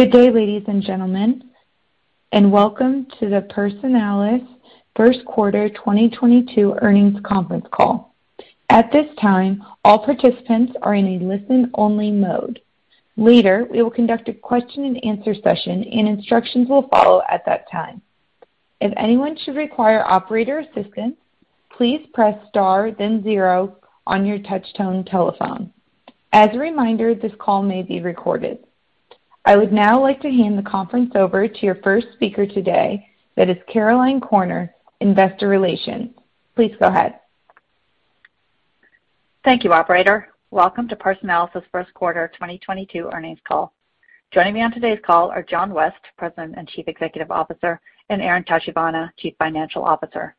Good day, ladies and gentlemen, and welcome to the Personalis first quarter 2022 earnings conference call. At this time, all participants are in a listen-only mode. Later, we will conduct a question and answer session, and instructions will follow at that time. If anyone should require operator assistance, please press star then zero on your touchtone telephone. As a reminder, this call may be recorded. I would now like to hand the conference over to your first speaker today. That is Caroline Corner, Investor Relations. Please go ahead. Thank you, operator. Welcome to Personalis' first quarter 2022 earnings call. Joining me on today's call are John West, President and Chief Executive Officer, and Aaron Tachibana, Chief Financial Officer.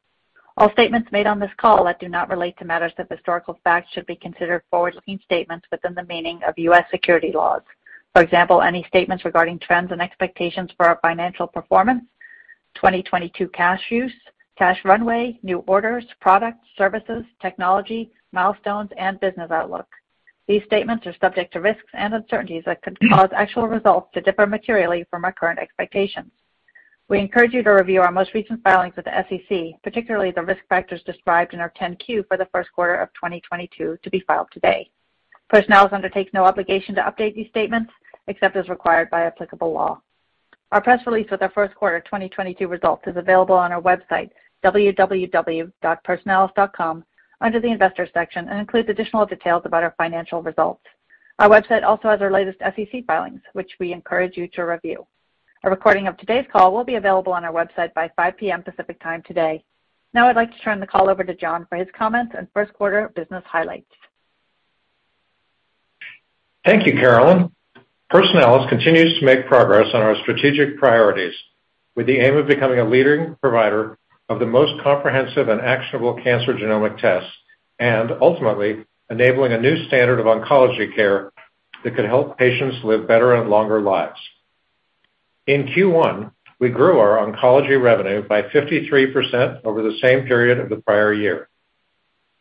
All statements made on this call that do not relate to matters of historical fact should be considered forward-looking statements within the meaning of U.S. securities laws. For example, any statements regarding trends and expectations for our financial performance, 2022 cash use, cash runway, new orders, products, services, technology, milestones, and business outlook. These statements are subject to risks and uncertainties that could cause actual results to differ materially from our current expectations. We encourage you to review our most recent filings with the SEC, particularly the risk factors described in our 10-Q for the first quarter of 2022 to be filed today. Personalis undertakes no obligation to update these statements except as required by applicable law. Our press release with our first quarter 2022 results is available on our website, www.personalis.com, under the Investors section, and includes additional details about our financial results. Our website also has our latest SEC filings, which we encourage you to review. A recording of today's call will be available on our website by 5 P.M. Pacific Time today. Now I'd like to turn the call over to John for his comments on first quarter business highlights. Thank you, Caroline. Personalis continues to make progress on our strategic priorities with the aim of becoming a leading provider of the most comprehensive and actionable cancer genomic tests, and ultimately enabling a new standard of oncology care that could help patients live better and longer lives. In Q1, we grew our oncology revenue by 53% over the same period of the prior year.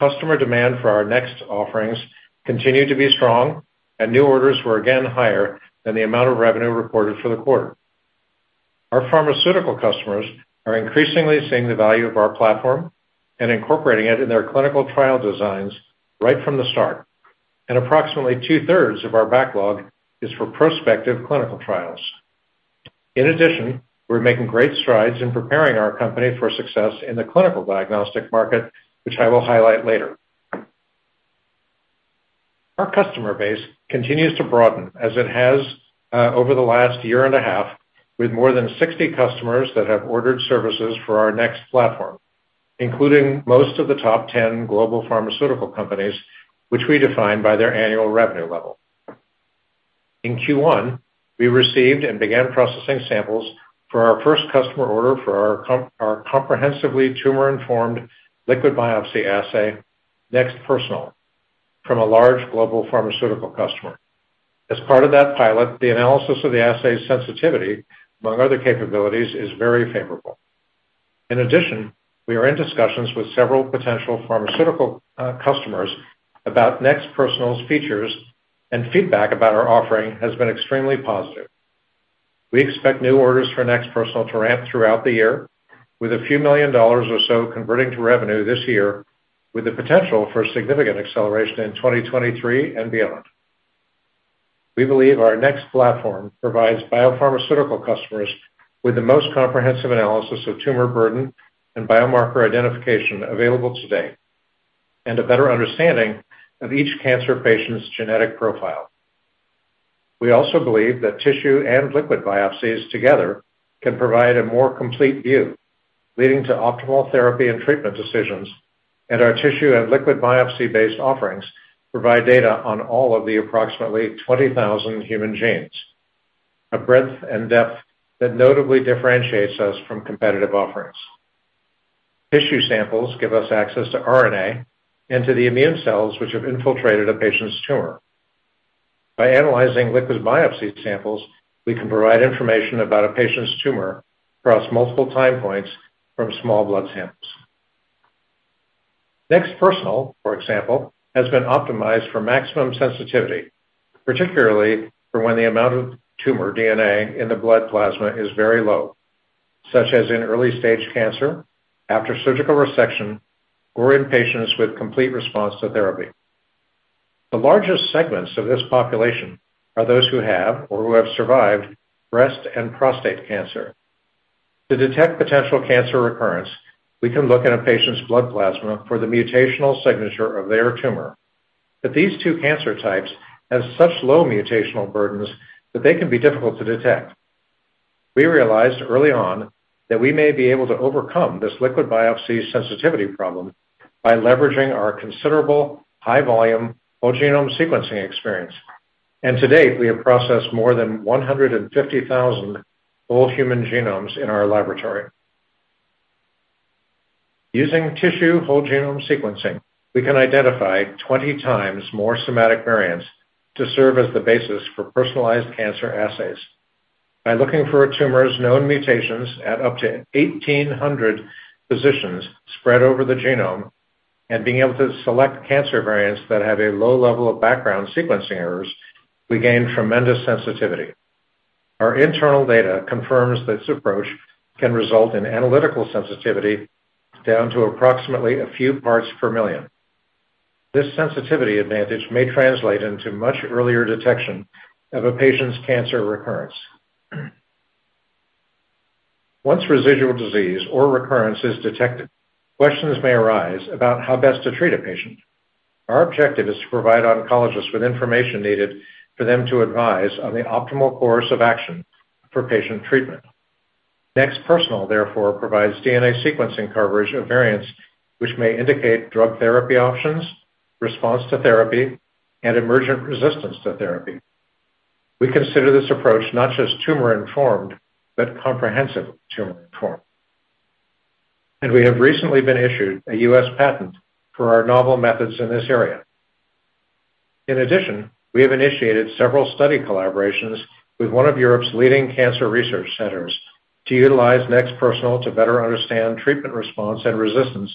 Customer demand for our NeXT offerings continued to be strong and new orders were again higher than the amount of revenue reported for the quarter. Our pharmaceutical customers are increasingly seeing the value of our platform and incorporating it in their clinical trial designs right from the start, and approximately two-thirds of our backlog is for prospective clinical trials. In addition, we're making great strides in preparing our company for success in the clinical diagnostic market, which I will highlight later. Our customer base continues to broaden as it has over the last year and a half, with more than 60 customers that have ordered services for our NeXT Platform, including most of the top 10 global pharmaceutical companies, which we define by their annual revenue level. In Q1, we received and began processing samples for our first customer order for our comprehensively tumor-informed liquid biopsy assay, NeXT Personal, from a large global pharmaceutical customer. As part of that pilot, the analysis of the assay's sensitivity, among other capabilities, is very favorable. In addition, we are in discussions with several potential pharmaceutical customers about NeXT Personal's features, and feedback about our offering has been extremely positive. We expect new orders for NeXT Personal to ramp throughout the year with a few million dollars or so converting to revenue this year, with the potential for significant acceleration in 2023 and beyond. We believe our NeXT Platform provides biopharmaceutical customers with the most comprehensive analysis of tumor burden and biomarker identification available today, and a better understanding of each cancer patient's genetic profile. We also believe that tissue and liquid biopsies together can provide a more complete view, leading to optimal therapy and treatment decisions, and our tissue and liquid biopsy-based offerings provide data on all of the approximately 20,000 human genes. A breadth and depth that notably differentiates us from competitive offerings. Tissue samples give us access to RNA and to the immune cells which have infiltrated a patient's tumor. By analyzing liquid biopsy samples, we can provide information about a patient's tumor across multiple time points from small blood samples. NeXT Personal, for example, has been optimized for maximum sensitivity, particularly for when the amount of tumor DNA in the blood plasma is very low, such as in early-stage cancer, after surgical resection, or in patients with complete response to therapy. The largest segments of this population are those who have or who have survived breast and prostate cancer. To detect potential cancer recurrence, we can look at a patient's blood plasma for the mutational signature of their tumor. These two cancer types have such low mutational burdens that they can be difficult to detect. We realized early on that we may be able to overcome this liquid biopsy sensitivity problem by leveraging our considerable high volume whole genome sequencing experience. To date, we have processed more than 150,000 whole human genomes in our laboratory. Using tissue whole genome sequencing, we can identify 20 times more somatic variants to serve as the basis for personalized cancer assays. By looking for a tumor's known mutations at up to 1,800 positions spread over the genome, and being able to select cancer variants that have a low level of background sequencing errors, we gain tremendous sensitivity. Our internal data confirms this approach can result in analytical sensitivity down to approximately a few parts per million. This sensitivity advantage may translate into much earlier detection of a patient's cancer recurrence. Once residual disease or recurrence is detected, questions may arise about how best to treat a patient. Our objective is to provide oncologists with information needed for them to advise on the optimal course of action for patient treatment. NeXT Personal therefore provides DNA sequencing coverage of variants which may indicate drug therapy options, response to therapy, and emergent resistance to therapy. We consider this approach not just tumor-informed, but comprehensive tumor-informed. We have recently been issued a U.S. patent for our novel methods in this area. In addition, we have initiated several study collaborations with one of Europe's leading cancer research centers to utilize NeXT Personal to better understand treatment response and resistance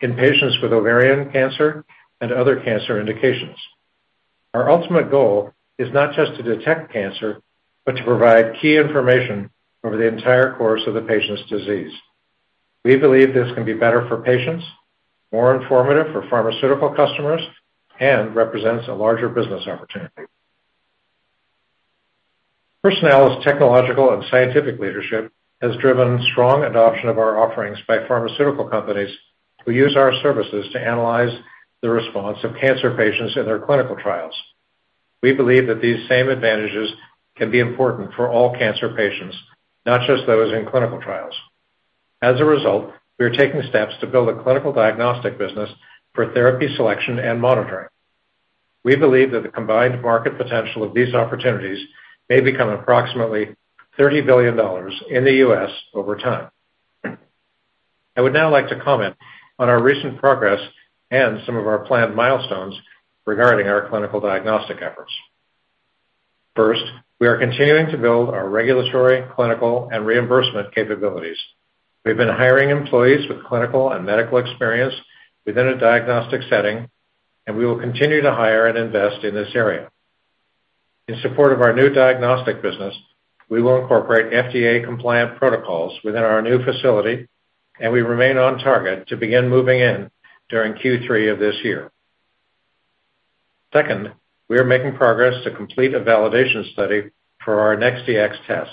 in patients with ovarian cancer and other cancer indications. Our ultimate goal is not just to detect cancer, but to provide key information over the entire course of the patient's disease. We believe this can be better for patients, more informative for pharmaceutical customers, and represents a larger business opportunity. Personalis' technological and scientific leadership has driven strong adoption of our offerings by pharmaceutical companies who use our services to analyze the response of cancer patients in their clinical trials. We believe that these same advantages can be important for all cancer patients, not just those in clinical trials. We are taking steps to build a clinical diagnostic business for therapy selection and monitoring. We believe that the combined market potential of these opportunities may become approximately $30 billion in the U.S. over time. I would now like to comment on our recent progress and some of our planned milestones regarding our clinical diagnostic efforts. We are continuing to build our regulatory, clinical, and reimbursement capabilities. We've been hiring employees with clinical and medical experience within a diagnostic setting, and we will continue to hire and invest in this area. In support of our new diagnostic business, we will incorporate FDA-compliant protocols within our new facility, and we remain on target to begin moving in during Q3 of this year. Second, we are making progress to complete a validation study for our NeXT Dx test,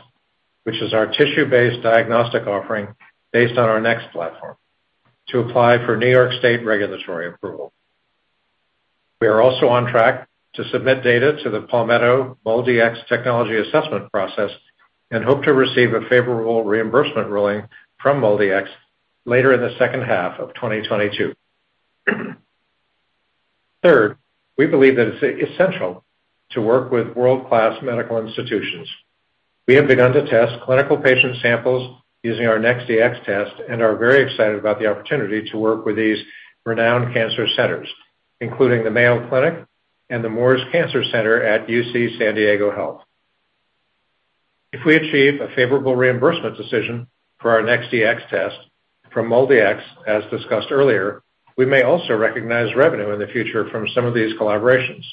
which is our tissue-based diagnostic offering based on our NeXT Platform, to apply for New York State regulatory approval. We are also on track to submit data to the Palmetto MolDX technology assessment process and hope to receive a favorable reimbursement ruling from MolDX later in the second half of 2022. Third, we believe that it's essential to work with world-class medical institutions. We have begun to test clinical patient samples using our NeXT Dx test and are very excited about the opportunity to work with these renowned cancer centers, including the Mayo Clinic and the Moores Cancer Center at UC San Diego Health. If we achieve a favorable reimbursement decision for our NeXT Dx test from MolDX, as discussed earlier, we may also recognize revenue in the future from some of these collaborations.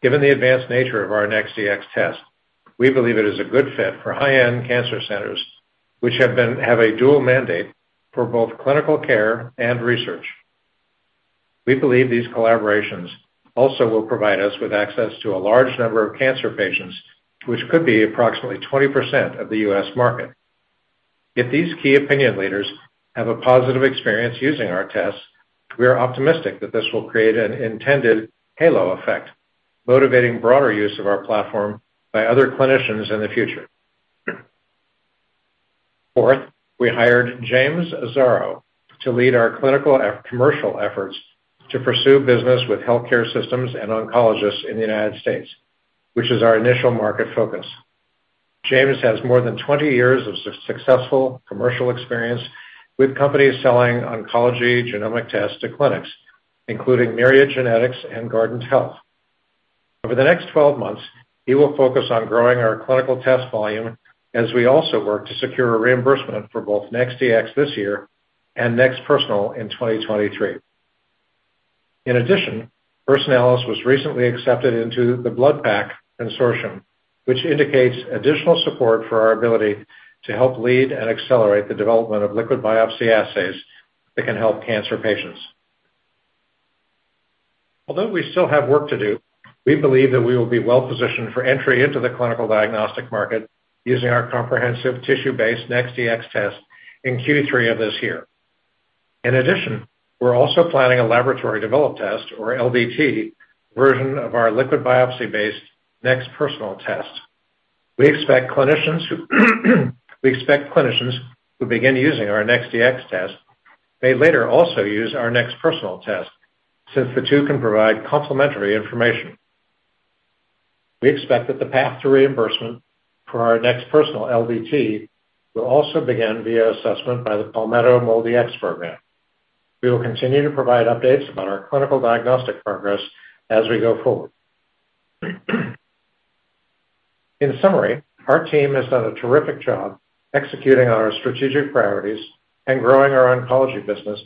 Given the advanced nature of our NeXT Dx test, we believe it is a good fit for high-end cancer centers, which have a dual mandate for both clinical care and research. We believe these collaborations also will provide us with access to a large number of cancer patients, which could be approximately 20% of the U.S. market. If these key opinion leaders have a positive experience using our tests, we are optimistic that this will create an intended halo effect, motivating broader use of our platform by other clinicians in the future. Fourth, we hired James Azzaro to lead our clinical commercial efforts to pursue business with healthcare systems and oncologists in the United States, which is our initial market focus. James has more than 20 years of successful commercial experience with companies selling oncology genomic tests to clinics, including Myriad Genetics and Guardant Health. Over the next 12 months, he will focus on growing our clinical test volume as we also work to secure a reimbursement for both NeXT Dx this year, and NeXT Personal in 2023. In addition, Personalis was recently accepted into the BloodPAC Consortium, which indicates additional support for our ability to help lead and accelerate the development of liquid biopsy assays that can help cancer patients. Although we still have work to do, we believe that we will be well positioned for entry into the clinical diagnostic market using our comprehensive tissue-based NeXT Dx test in Q3 of this year. In addition, we're also planning a laboratory developed test, or LDT, version of our liquid biopsy-based NeXT Personal test. We expect clinicians who begin using our NeXT Dx test may later also use our NeXT Personal test, since the two can provide complementary information. We expect that the path to reimbursement for our NeXT Personal LDT will also begin via assessment by the Palmetto MolDX program. We will continue to provide updates about our clinical diagnostic progress as we go forward. In summary, our team has done a terrific job executing on our strategic priorities and growing our oncology business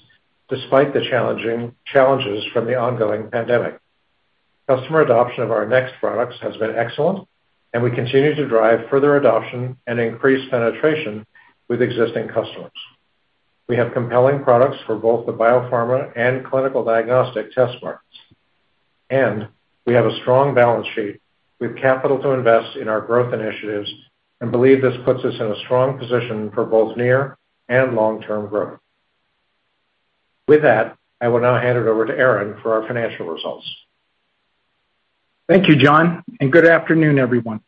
despite the challenges from the ongoing pandemic. Customer adoption of our NeXT products has been excellent, and we continue to drive further adoption and increase penetration with existing customers. We have compelling products for both the biopharma and clinical diagnostic test markets, and we have a strong balance sheet with capital to invest in our growth initiatives and believe this puts us in a strong position for both near and long-term growth. With that, I will now hand it over to Aaron for our financial results. Thank you, John, and good afternoon, everyone.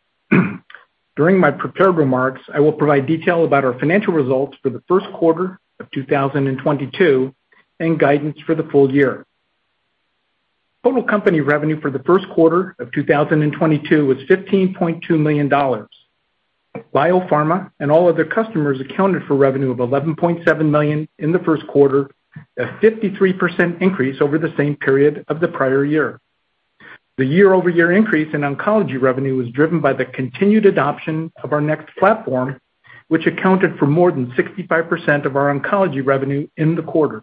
During my prepared remarks, I will provide detail about our financial results for the first quarter of 2022 and guidance for the full year. Total company revenue for the first quarter of 2022 was $15.2 million. Biopharma and all other customers accounted for revenue of $11.7 million in the first quarter, a 53% increase over the same period of the prior year. The year-over-year increase in oncology revenue was driven by the continued adoption of our NeXT Platform, which accounted for more than 65% of our oncology revenue in the quarter.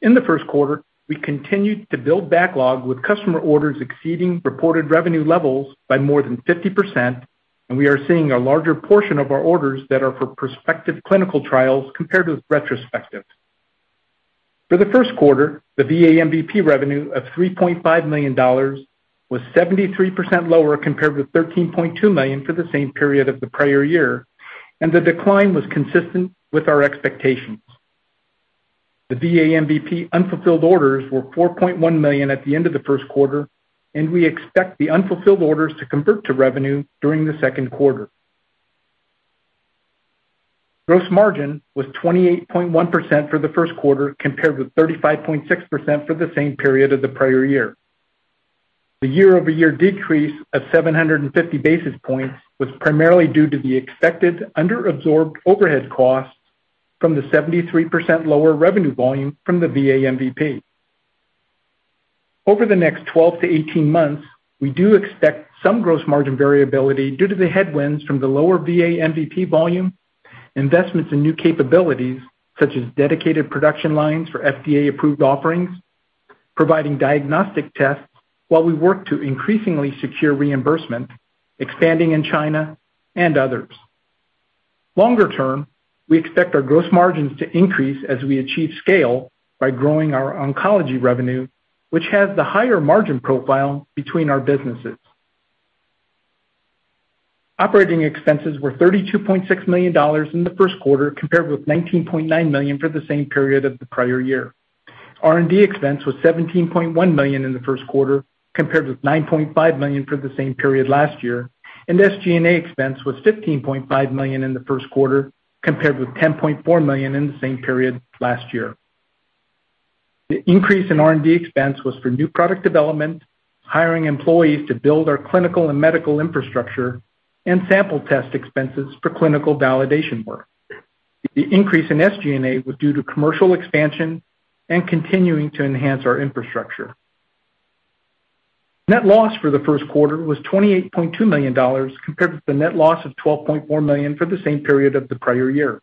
In the first quarter, we continued to build backlog with customer orders exceeding reported revenue levels by more than 50%, and we are seeing a larger portion of our orders that are for prospective clinical trials compared with retrospective. For the first quarter, the VA MVP revenue of $3.5 million was 73% lower compared with $13.2 million for the same period of the prior year, and the decline was consistent with our expectations. The VA MVP unfulfilled orders were $4.1 million at the end of the first quarter, and we expect the unfulfilled orders to convert to revenue during the second quarter. Gross margin was 28.1% for the first quarter, compared with 35.6% for the same period of the prior year. The year-over-year decrease of 750 basis points was primarily due to the expected under-absorbed overhead costs from the 73% lower revenue volume from the VA MVP. Over the next 12-18 months, we do expect some gross margin variability due to the headwinds from the lower VA MVP volume, investments in new capabilities such as dedicated production lines for FDA-approved offerings, providing diagnostic tests while we work to increasingly secure reimbursement, expanding in China and others. Longer term, we expect our gross margins to increase as we achieve scale by growing our oncology revenue, which has the higher margin profile between our businesses. Operating expenses were $32.6 million in the first quarter, compared with $19.9 million for the same period of the prior year. R&D expense was $17.1 million in the first quarter, compared with $9.5 million for the same period last year, and SG&A expense was $15.5 million in the first quarter, compared with $10.4 million in the same period last year. The increase in R&D expense was for new product development, hiring employees to build our clinical and medical infrastructure, and sample test expenses for clinical validation work. The increase in SG&A was due to commercial expansion and continuing to enhance our infrastructure. Net loss for the first quarter was $28.2 million, compared with the net loss of $12.4 million for the same period of the prior year.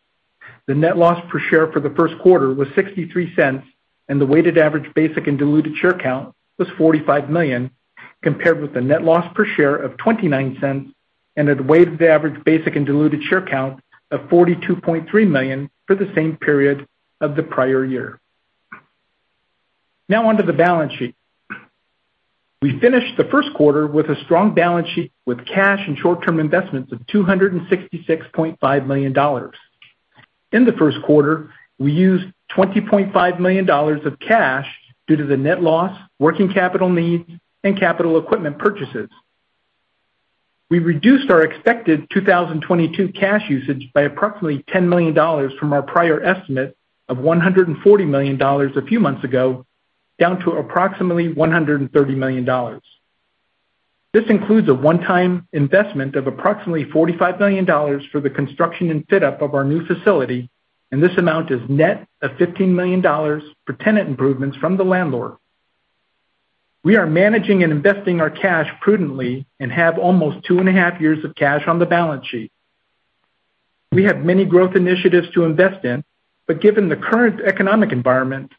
The net loss per share for the first quarter was $0.63, and the weighted average basic and diluted share count was 45 million, compared with the net loss per share of $0.29 and a weighted average basic and diluted share count of 42.3 million for the same period of the prior year. Now on to the balance sheet. We finished the first quarter with a strong balance sheet with cash and short-term investments of $266.5 million. In the first quarter, we used $20.5 million of cash due to the net loss, working capital needs and capital equipment purchases. We reduced our expected 2022 cash usage by approximately $10 million from our prior estimate of $140 million a few months ago, down to approximately $130 million. This includes a one-time investment of approximately $45 million for the construction and fit-up of our new facility, and this amount is net of $15 million for tenant improvements from the landlord. We are managing and investing our cash prudently and have almost 2.5 years of cash on the balance sheet. We have many growth initiatives to invest in, but given the current economic environment,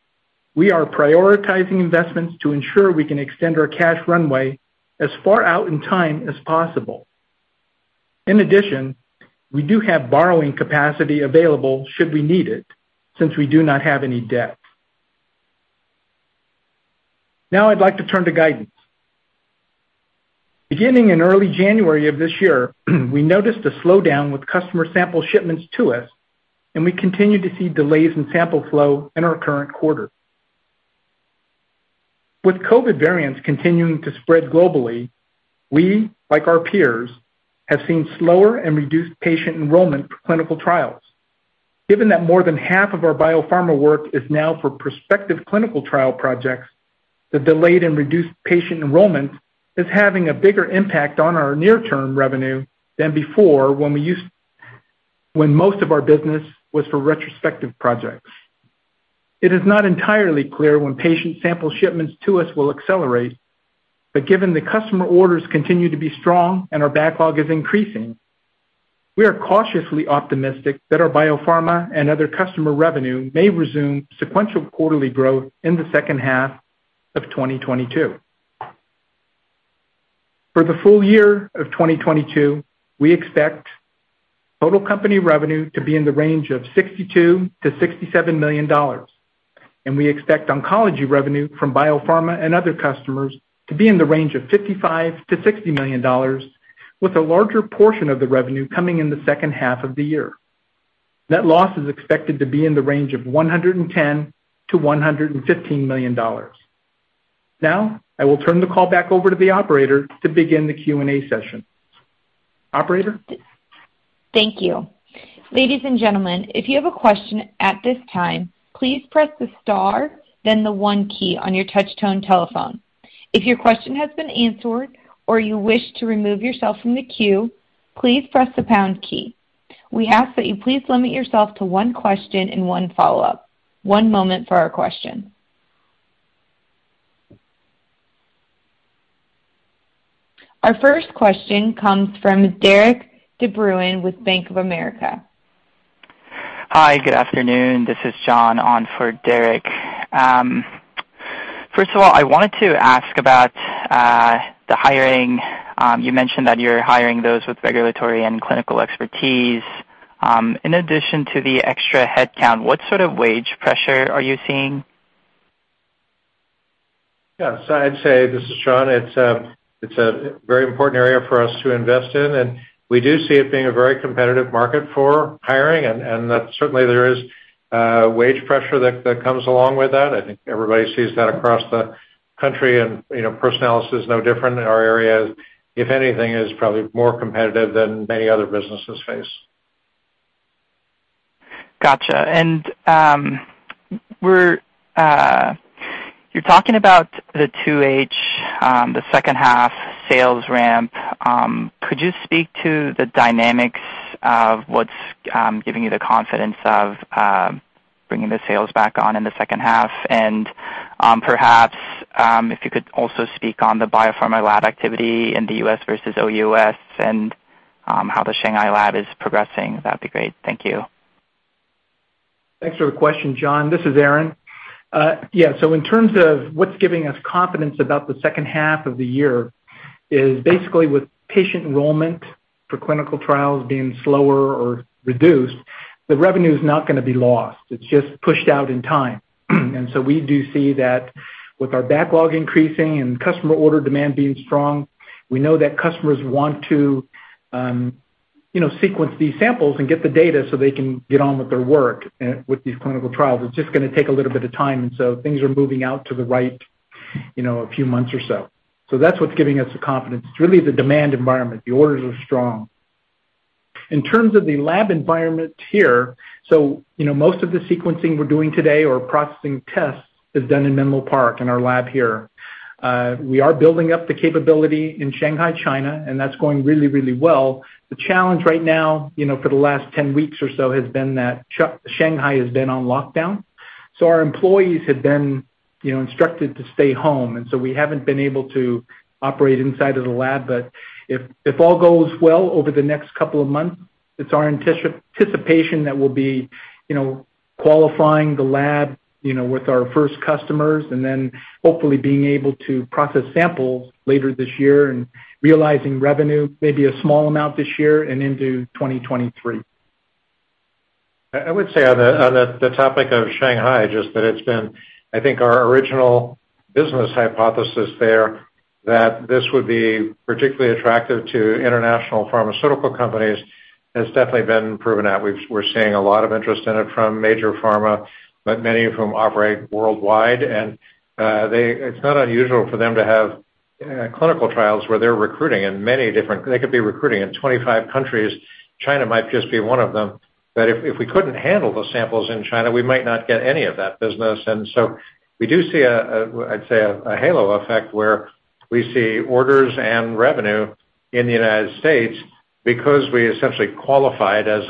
we are prioritizing investments to ensure we can extend our cash runway as far out in time as possible. In addition, we do have borrowing capacity available should we need it, since we do not have any debt. Now, I'd like to turn to guidance. Beginning in early January of this year, we noticed a slowdown with customer sample shipments to us, and we continue to see delays in sample flow in our current quarter. With COVID variants continuing to spread globally, we, like our peers, have seen slower and reduced patient enrollment for clinical trials. Given that more than half of our biopharma work is now for prospective clinical trial projects, the delayed and reduced patient enrollment is having a bigger impact on our near-term revenue than before when most of our business was for retrospective projects. It is not entirely clear when patient sample shipments to us will accelerate, but given the customer orders continue to be strong and our backlog is increasing, we are cautiously optimistic that our biopharma and other customer revenue may resume sequential quarterly growth in the second half of 2022. For the full year of 2022, we expect total company revenue to be in the range of $62 million-$67 million, and we expect oncology revenue from biopharma and other customers to be in the range of $55 million-$60 million, with a larger portion of the revenue coming in the second half of the year. Net loss is expected to be in the range of $110 million-$115 million. Now, I will turn the call back over to the operator to begin the Q&A session. Operator? Thank you. Ladies and gentlemen, if you have a question at this time, please press the star, then the one key on your touch tone telephone. If your question has been answered or you wish to remove yourself from the queue, please press the pound key. We ask that you please limit yourself to one question and one follow-up. One moment for our question. Our first question comes from Derik De Bruin with Bank of America. Hi, good afternoon. This is John on for Derik. First of all, I wanted to ask about the hiring. You mentioned that you're hiring those with regulatory and clinical expertise. In addition to the extra headcount, what sort of wage pressure are you seeing? Yes. I'd say, this is John, it's a very important area for us to invest in, and we do see it being a very competitive market for hiring, and that certainly there is wage pressure that comes along with that. I think everybody sees that across the country and, you know, Personalis is no different in our area. If anything, it is probably more competitive than many other businesses face. Gotcha. You're talking about the 2H sales ramp. Could you speak to the dynamics of what's giving you the confidence of bringing the sales back on in the second half? Perhaps, if you could also speak on the biopharma lab activity in the US versus OUS and how the Shanghai lab is progressing. That'd be great. Thank you. Thanks for the question, John. This is Aaron. Yeah, so in terms of what's giving us confidence about the second half of the year is basically with patient enrollment for clinical trials being slower or reduced, the revenue is not gonna be lost. It's just pushed out in time. We do see that with our backlog increasing and customer order demand being strong, we know that customers want to, you know, sequence these samples and get the data so they can get on with their work and with these clinical trials. It's just gonna take a little bit of time, and so things are moving out to the right, you know, a few months or so. That's what's giving us the confidence. It's really the demand environment. The orders are strong. In terms of the lab environment here, you know, most of the sequencing we're doing today or processing tests is done in Menlo Park in our lab here. We are building up the capability in Shanghai, China, and that's going really, really well. The challenge right now, you know, for the last 10 weeks or so, has been that Shanghai has been on lockdown. Our employees have been, you know, instructed to stay home, and so we haven't been able to operate inside of the lab. If all goes well over the next couple of months, it's our anticipation that we'll be, you know, qualifying the lab, you know, with our first customers and then hopefully being able to process samples later this year and realizing revenue, maybe a small amount this year and into 2023. I would say on the topic of Shanghai, just that it's been. I think our original business hypothesis there, that this would be particularly attractive to international pharmaceutical companies, has definitely been proven out. We're seeing a lot of interest in it from major pharma, but many of whom operate worldwide. It's not unusual for them to have clinical trials where they're recruiting in many different countries. They could be recruiting in 25 countries. China might just be one of them. If we couldn't handle the samples in China, we might not get any of that business. We do see a halo effect where we see orders and revenue in the United States because we essentially qualified as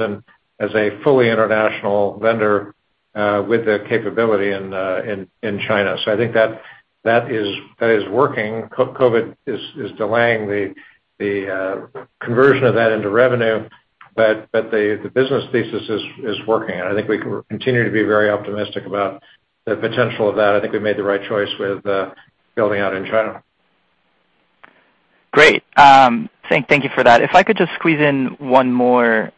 a fully international vendor with the capability in China. I think that is working. COVID is delaying the conversion of that into revenue, but the business thesis is working, and I think we can continue to be very optimistic about the potential of that. I think we made the right choice with building out in China. Great. Thank you for that. If I could just squeeze in one more.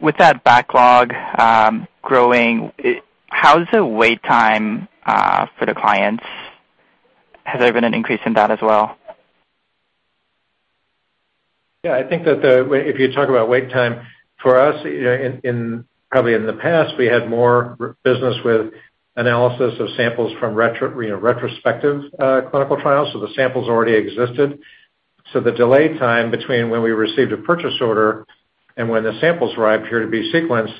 With that backlog growing, how's the wait time for the clients? Has there been an increase in that as well? Yeah. I think that if you talk about wait time, for us, you know, in probably in the past we had more business with analysis of samples from, you know, retrospective clinical trials, so the samples already existed. The delay time between when we received a purchase order and when the samples arrived here to be sequenced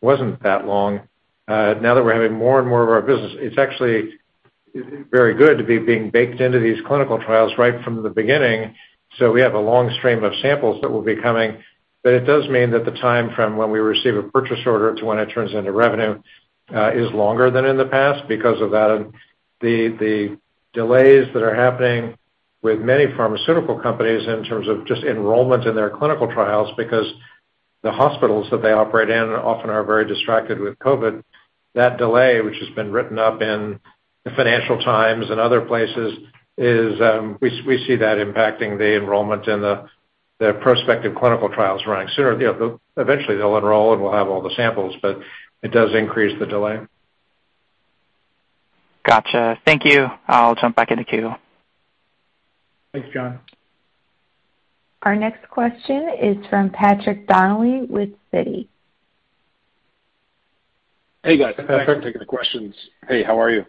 wasn't that long. Now that we're having more and more of our business, it's actually. It's very good to be being baked into these clinical trials right from the beginning, so we have a long stream of samples that will be coming, but it does mean that the time from when we receive a purchase order to when it turns into revenue is longer than in the past because of that. The delays that are happening with many pharmaceutical companies in terms of just enrollment in their clinical trials because the hospitals that they operate in often are very distracted with COVID. That delay, which has been written up in the Financial Times and other places, is, we see that impacting the enrollment in the prospective clinical trials running sooner. You know, they'll eventually enroll and we'll have all the samples, but it does increase the delay. Gotcha. Thank you. I'll jump back into queue. Thanks, John. Our next question is from Patrick Donnelly with Citi. Hey, guys. Hi, Patrick. Thanks for taking the questions. Hey, how are you?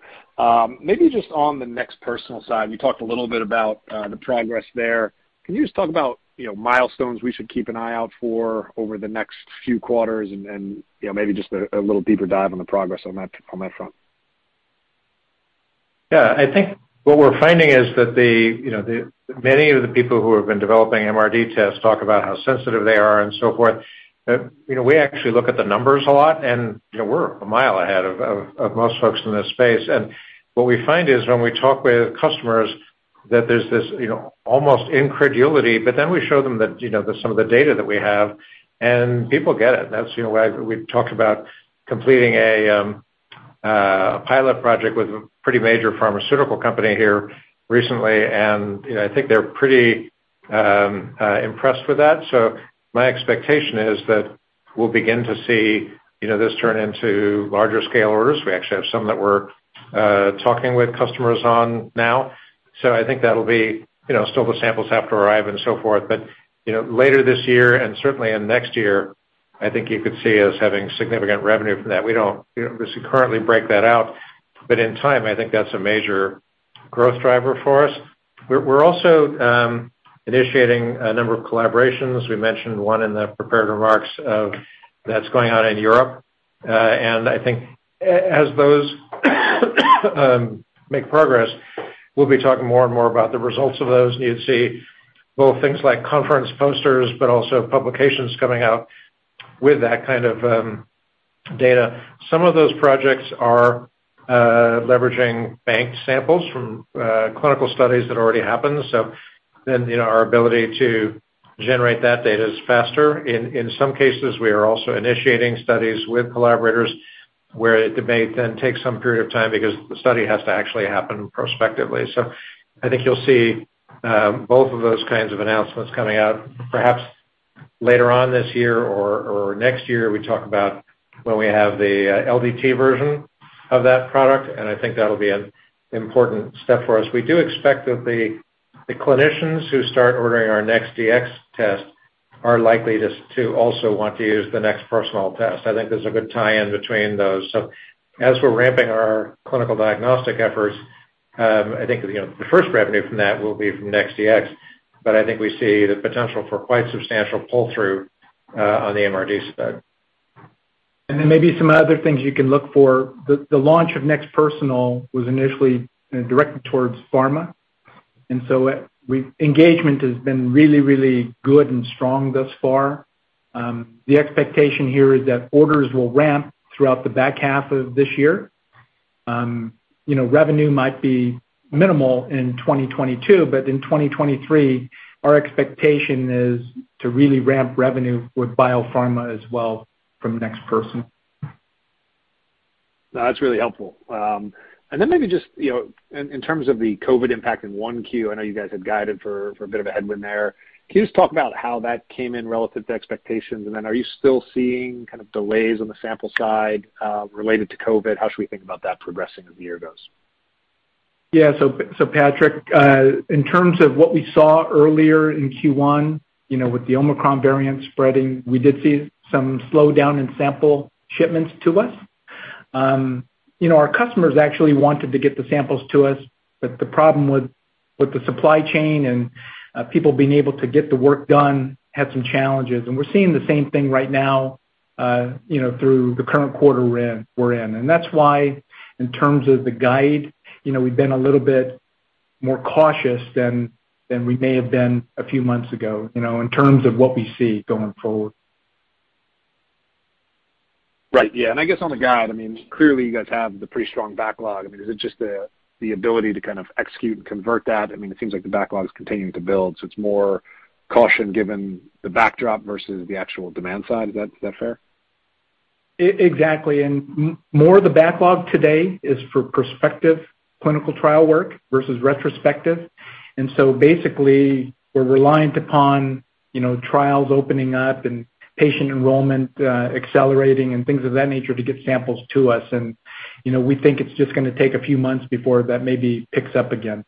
Maybe just on the NeXT Personal side, you talked a little bit about the progress there. Can you just talk about, you know, milestones we should keep an eye out for over the next few quarters and, you know, maybe just a little deeper dive on the progress on that front? Yeah. I think what we're finding is that the many of the people who have been developing MRD tests talk about how sensitive they are and so forth. You know, we actually look at the numbers a lot, and, you know, we're a mile ahead of most folks in this space. What we find is when we talk with customers that there's this, you know, almost incredulity, but then we show them that, you know, some of the data that we have, and people get it. That's, you know, why we've talked about completing a pilot project with a pretty major pharmaceutical company here recently. You know, I think they're pretty impressed with that. My expectation is that we'll begin to see, you know, this turn into larger scale orders. We actually have some that we're talking with customers on now, so I think that'll be, you know, still the samples have to arrive and so forth. You know, later this year, and certainly in next year, I think you could see us having significant revenue from that. We don't, you know, currently break that out, but in time, I think that's a major growth driver for us. We're also initiating a number of collaborations. We mentioned one in the prepared remarks that's going on in Europe. I think as those make progress, we'll be talking more and more about the results of those. You'd see both things like conference posters, but also publications coming out with that kind of data. Some of those projects are leveraging banked samples from clinical studies that already happened. You know, our ability to generate that data is faster. In some cases, we are also initiating studies with collaborators where it may then take some period of time because the study has to actually happen prospectively. I think you'll see both of those kinds of announcements coming out perhaps later on this year or next year. We'll talk about when we have the LDT version of that product, and I think that'll be an important step for us. We do expect that the clinicians who start ordering our NeXT Dx test are likely just to also want to use the NeXT Personal test. I think there's a good tie-in between those. As we're ramping our clinical diagnostic efforts, I think, you know, the first revenue from that will be from NeXT Dx, but I think we see the potential for quite substantial pull-through on the MRD side. Maybe some other things you can look for. The launch of NeXT Personal was initially, you know, directed towards pharma, and engagement has been really, really good and strong thus far. The expectation here is that orders will ramp throughout the back half of this year. You know, revenue might be minimal in 2022, but in 2023, our expectation is to really ramp revenue with biopharma as well from NeXT Personal. No, that's really helpful. Maybe just, you know, in terms of the COVID impact in 1Q, I know you guys had guided for a bit of a headwind there. Can you just talk about how that came in relative to expectations? Are you still seeing kind of delays on the sample side related to COVID? How should we think about that progressing as the year goes? Yeah. Patrick, in terms of what we saw earlier in Q1, you know, with the Omicron variant spreading, we did see some slowdown in sample shipments to us. You know, our customers actually wanted to get the samples to us, but the problem with the supply chain and people being able to get the work done had some challenges. We're seeing the same thing right now, you know, through the current quarter we're in. That's why in terms of the guide, you know, we've been a little bit more cautious than we may have been a few months ago, you know, in terms of what we see going forward. Right. Yeah. I guess on the guide, I mean, clearly you guys have the pretty strong backlog. I mean, is it just the ability to kind of execute and convert that? I mean, it seems like the backlog is continuing to build, so it's more caution given the backdrop versus the actual demand side. Is that fair? Exactly. More, the backlog today is for prospective clinical trial work versus retrospective. Basically, we're reliant upon, you know, trials opening up and patient enrollment accelerating and things of that nature to get samples to us. You know, we think it's just gonna take a few months before that maybe picks up again.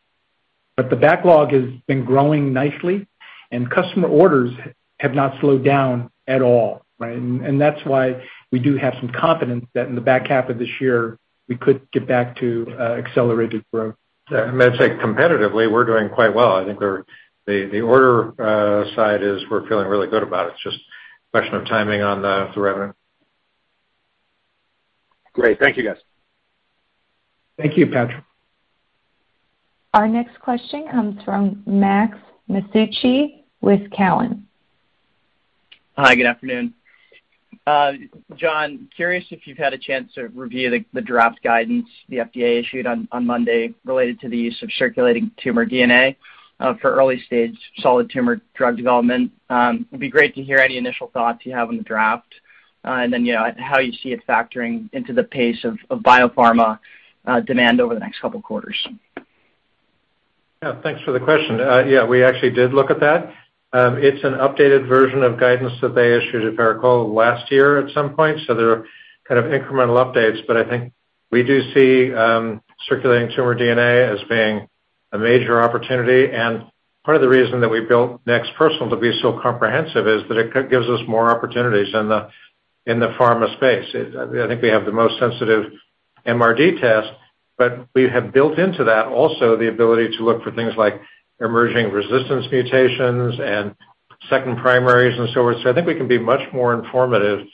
The backlog has been growing nicely, and customer orders have not slowed down at all, right? That's why we do have some confidence that in the back half of this year, we could get back to accelerated growth. Yeah. I might say competitively, we're doing quite well. I think the order side is we're feeling really good about. It's just a question of timing on the revenue. Great. Thank you, guys. Thank you, Patrick. Our next question comes from Max Masucci with Cowen. Hi, good afternoon. John, curious if you've had a chance to review the draft guidance the FDA issued on Monday related to the use of circulating tumor DNA for early-stage solid tumor drug development. It'd be great to hear any initial thoughts you have on the draft, and then, you know, how you see it factoring into the pace of biopharma demand over the next couple quarters. Yeah, thanks for the question. Yeah, we actually did look at that. It's an updated version of guidance that they issued, if I recall, last year at some point, so there are kind of incremental updates. I think we do see circulating tumor DNA as being a major opportunity. Part of the reason that we built NeXT Personal to be so comprehensive is that it gives us more opportunities in the pharma space. I think we have the most sensitive MRD test, but we have built into that also the ability to look for things like emerging resistance mutations and second primaries and so forth. I think we can be much more informative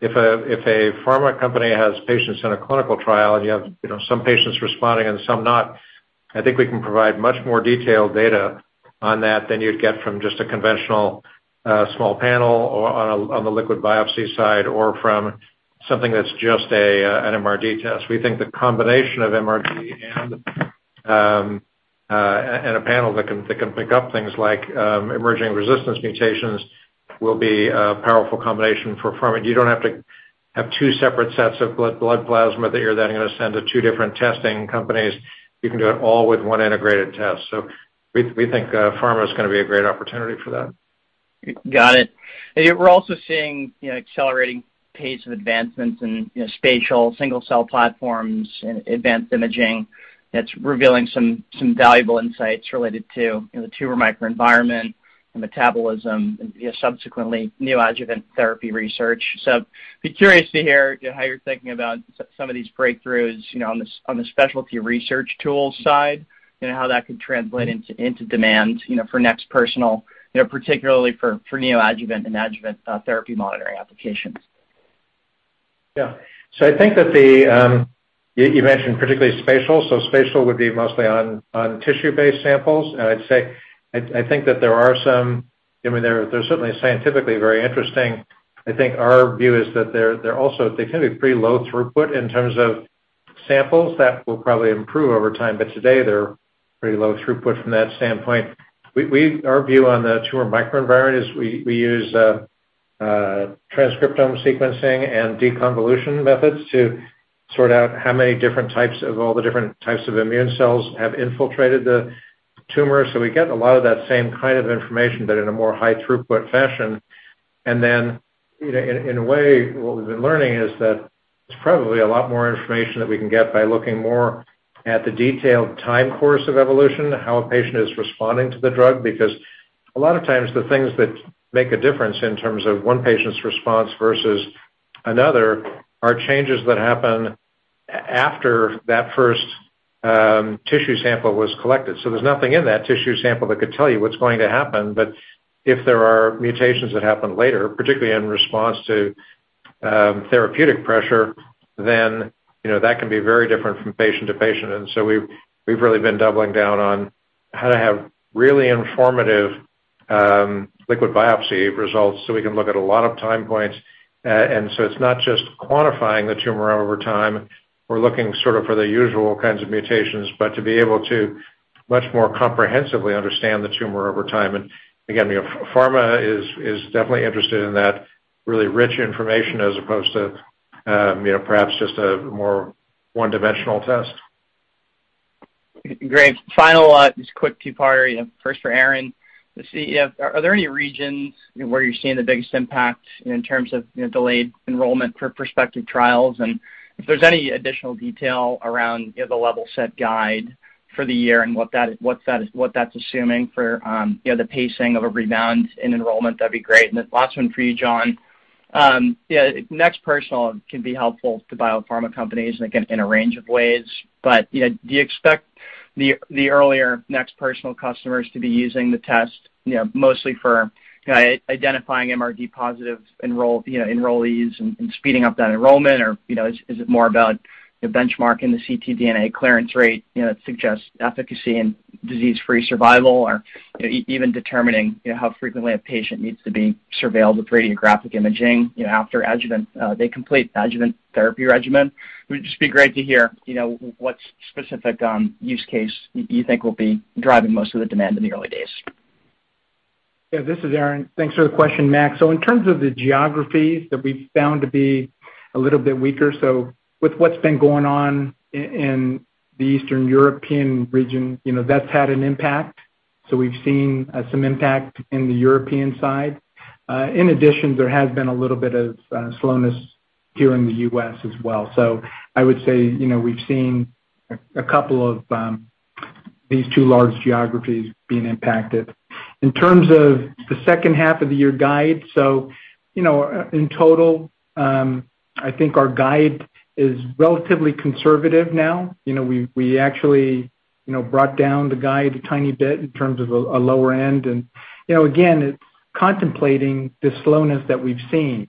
if a pharma company has patients in a clinical trial, and you have, you know, some patients responding and some not. I think we can provide much more detailed data on that than you'd get from just a conventional small panel or on the liquid biopsy side or from something that's just an MRD test. We think the combination of MRD and a panel that can pick up things like emerging resistance mutations will be a powerful combination for pharma. You don't have to have two separate sets of blood plasma that you're then gonna send to two different testing companies. You can do it all with one integrated test. We think pharma is gonna be a great opportunity for that. Got it. We're also seeing, you know, accelerating pace of advancements in, you know, spatial, single-cell platforms and advanced imaging that's revealing some valuable insights related to, you know, the tumor microenvironment and metabolism and, you know, subsequently neoadjuvant therapy research. Be curious to hear how you're thinking about some of these breakthroughs, you know, on the specialty research tools side and how that could translate into demand, you know, for NeXT Personal, you know, particularly for neoadjuvant and adjuvant therapy monitoring applications. Yeah. I think that you mentioned particularly spatial, so spatial would be mostly on tissue-based samples. I'd say I think that there are some. I mean, they're certainly scientifically very interesting. I think our view is that they're also. They can be pretty low throughput in terms of samples. That will probably improve over time, but today they're pretty low throughput from that standpoint. Our view on the tumor microenvironment is we use transcriptome sequencing and deconvolution methods to sort out how many different types of all the different types of immune cells have infiltrated the tumor. So we get a lot of that same kind of information, but in a more high throughput fashion. You know, in a way, what we've been learning is that there's probably a lot more information that we can get by looking more at the detailed time course of evolution, how a patient is responding to the drug, because a lot of times the things that make a difference in terms of one patient's response versus another are changes that happen after that first tissue sample was collected. There's nothing in that tissue sample that could tell you what's going to happen. If there are mutations that happen later, particularly in response to therapeutic pressure, then you know, that can be very different from patient to patient. We've really been doubling down on how to have really informative liquid biopsy results, so we can look at a lot of time points. It's not just quantifying the tumor over time. We're looking sort of for the usual kinds of mutations, but to be able to much more comprehensively understand the tumor over time. Again, you know, pharma is definitely interested in that really rich information as opposed to, you know, perhaps just a more one-dimensional test. Great. Final just quick two-parter. First for Aaron. Let's see. Are there any regions where you're seeing the biggest impact in terms of, you know, delayed enrollment for prospective trials? If there's any additional detail around, you know, the level set guide for the year and what that is, what that's assuming for, you know, the pacing of a rebound in enrollment, that'd be great. Last one for you, John. You know, NeXT Personal can be helpful to biopharma companies, again, in a range of ways. You know, do you expect the earlier NeXT Personal customers to be using the test, you know, mostly for, you know, identifying MRD positive enrollees and speeding up that enrollment? You know, is it more about benchmarking the ctDNA clearance rate, you know, that suggests efficacy and disease-free survival? Or, you know, even determining, you know, how frequently a patient needs to be surveilled with radiographic imaging, you know, after adjuvant, they complete adjuvant therapy regimen. Would just be great to hear, you know, what specific use case you think will be driving most of the demand in the early days. Yeah. This is Aaron. Thanks for the question, Max Masucci. In terms of the geographies that we've found to be a little bit weaker, with what's been going on in the Eastern European region, you know, that's had an impact. We've seen some impact in the European side. In addition, there has been a little bit of slowness here in the U.S. as well. I would say, you know, we've seen a couple of these two large geographies being impacted. In terms of the second half of the year guide, in total, I think our guide is relatively conservative now. You know, we actually brought down the guide a tiny bit in terms of a lower end. You know, again, it's contemplating the slowness that we've seen.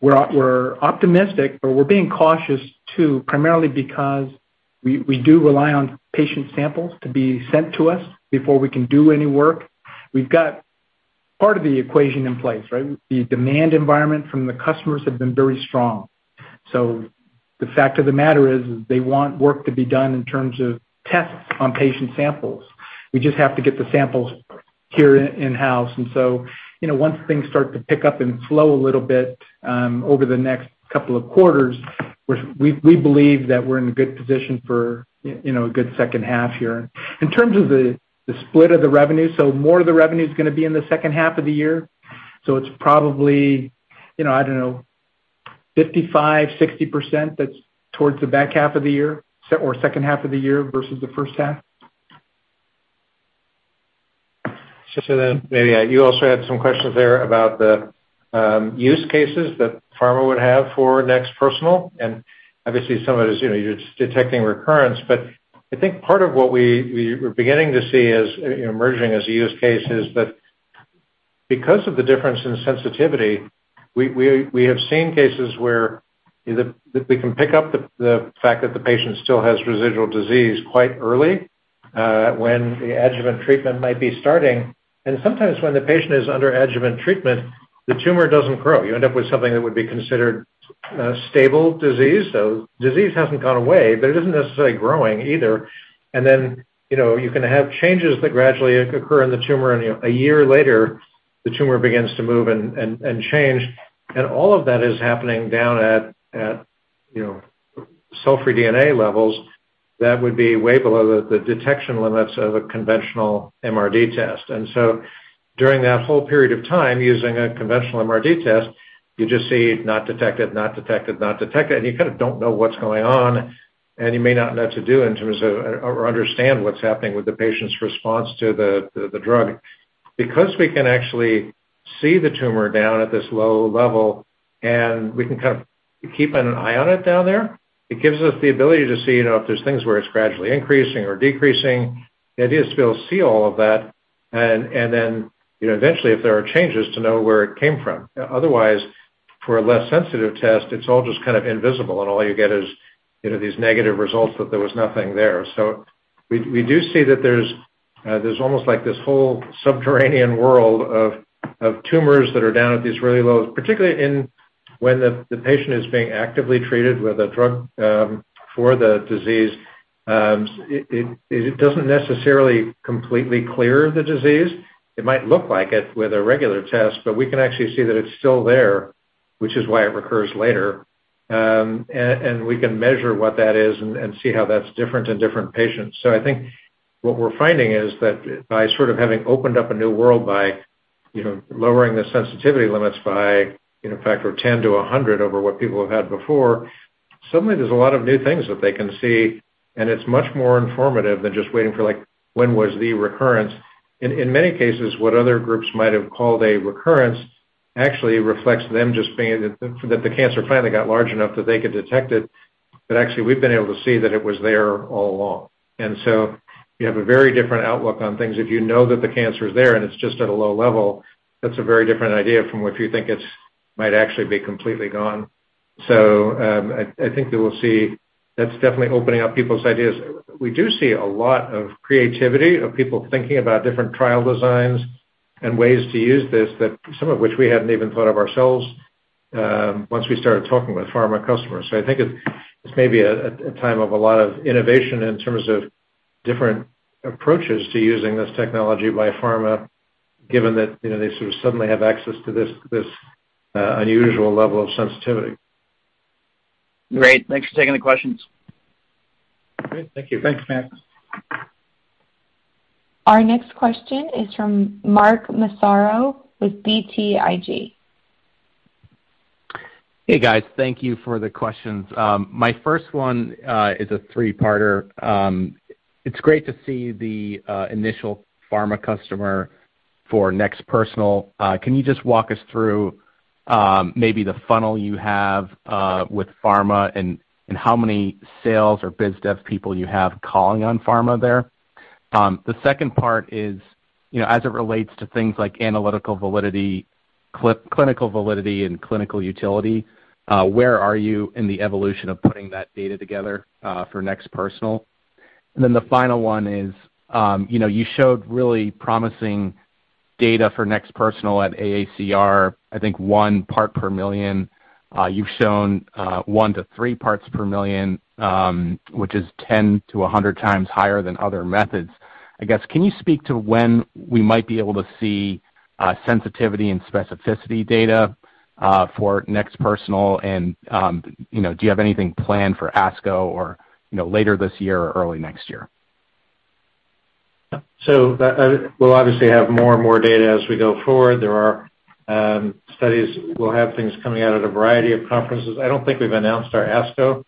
We're optimistic, but we're being cautious too, primarily because we do rely on patient samples to be sent to us before we can do any work. We've got part of the equation in place, right? The demand environment from the customers have been very strong. So the fact of the matter is they want work to be done in terms of tests on patient samples. We just have to get the samples here in-house. You know, once things start to pick up and flow a little bit over the next couple of quarters, we believe that we're in a good position for a good second half here. In terms of the split of the revenue, so more of the revenue's gonna be in the second half of the year. It's probably, you know, I don't know, 55%-60% that's towards the back half of the year or second half of the year versus the first half. Maybe you also had some questions there about the use cases that pharma would have for NeXT Personal, and obviously some of it is, you know, you're just detecting recurrence. I think part of what we were beginning to see as, you know, emerging as a use case is that because of the difference in sensitivity, we have seen cases where that we can pick up the fact that the patient still has residual disease quite early, when the adjuvant treatment might be starting. Sometimes when the patient is under adjuvant treatment, the tumor doesn't grow. You end up with something that would be considered stable disease. Disease hasn't gone away, but it isn't necessarily growing either. Then, you know, you can have changes that gradually occur in the tumor, and you know, a year later, the tumor begins to move and change. All of that is happening down at you know, cell-free DNA levels that would be way below the detection limits of a conventional MRD test. So during that whole period of time using a conventional MRD test, you just see not detected, not detected, not detected, and you kind of don't know what's going on, and you may not know what to do in terms of or understand what's happening with the patient's response to the drug. Because we can actually see the tumor down at this low level, and we can kind of keep an eye on it down there, it gives us the ability to see, you know, if there's things where it's gradually increasing or decreasing, the idea is to be able to see all of that and then, you know, eventually, if there are changes, to know where it came from. Otherwise, for a less sensitive test, it's all just kind of invisible and all you get is, you know, these negative results that there was nothing there. We do see that there's almost like this whole subterranean world of tumors that are down at these really lows, particularly when the patient is being actively treated with a drug for the disease. It doesn't necessarily completely clear the disease. It might look like it with a regular test, but we can actually see that it's still there, which is why it recurs later. We can measure what that is and see how that's different in different patients. I think what we're finding is that by sort of having opened up a new world by, you know, lowering the sensitivity limits by, you know, a factor of 10-100 over what people have had before, suddenly there's a lot of new things that they can see, and it's much more informative than just waiting for, like, when was the recurrence. In many cases, what other groups might have called a recurrence actually reflects them just being that the cancer finally got large enough that they could detect it, but actually we've been able to see that it was there all along. You have a very different outlook on things if you know that the cancer is there and it's just at a low level. That's a very different idea from if you think it might actually be completely gone. I think that we'll see. That's definitely opening up people's ideas. We do see a lot of creativity of people thinking about different trial designs and ways to use this that some of which we hadn't even thought of ourselves, once we started talking with pharma customers. I think it's maybe a time of a lot of innovation in terms of different approaches to using this technology by pharma, given that, you know, they sort of suddenly have access to this unusual level of sensitivity. Great. Thanks for taking the questions. Great. Thank you. Thanks, Max. Our next question is from Mark Massaro with BTIG. Hey, guys. Thank you for the questions. My first one is a three-parter. It's great to see the initial pharma customer for NeXT Personal. Can you just walk us through maybe the funnel you have with pharma and how many sales or biz dev people you have calling on pharma there? The second part is, you know, as it relates to things like analytical validity, clinical validity and clinical utility, where are you in the evolution of putting that data together for NeXT Personal? The final one is, you know, you showed really promising data for NeXT Personal at AACR, I think 1 part per million. You've shown 1-3 parts per million, which is 10-100 times higher than other methods. I guess, can you speak to when we might be able to see sensitivity and specificity data for NeXT Personal? You know, do you have anything planned for ASCO or, you know, later this year or early next year? That we'll obviously have more and more data as we go forward. There are studies. We'll have things coming out at a variety of conferences. I don't think we've announced our ASCO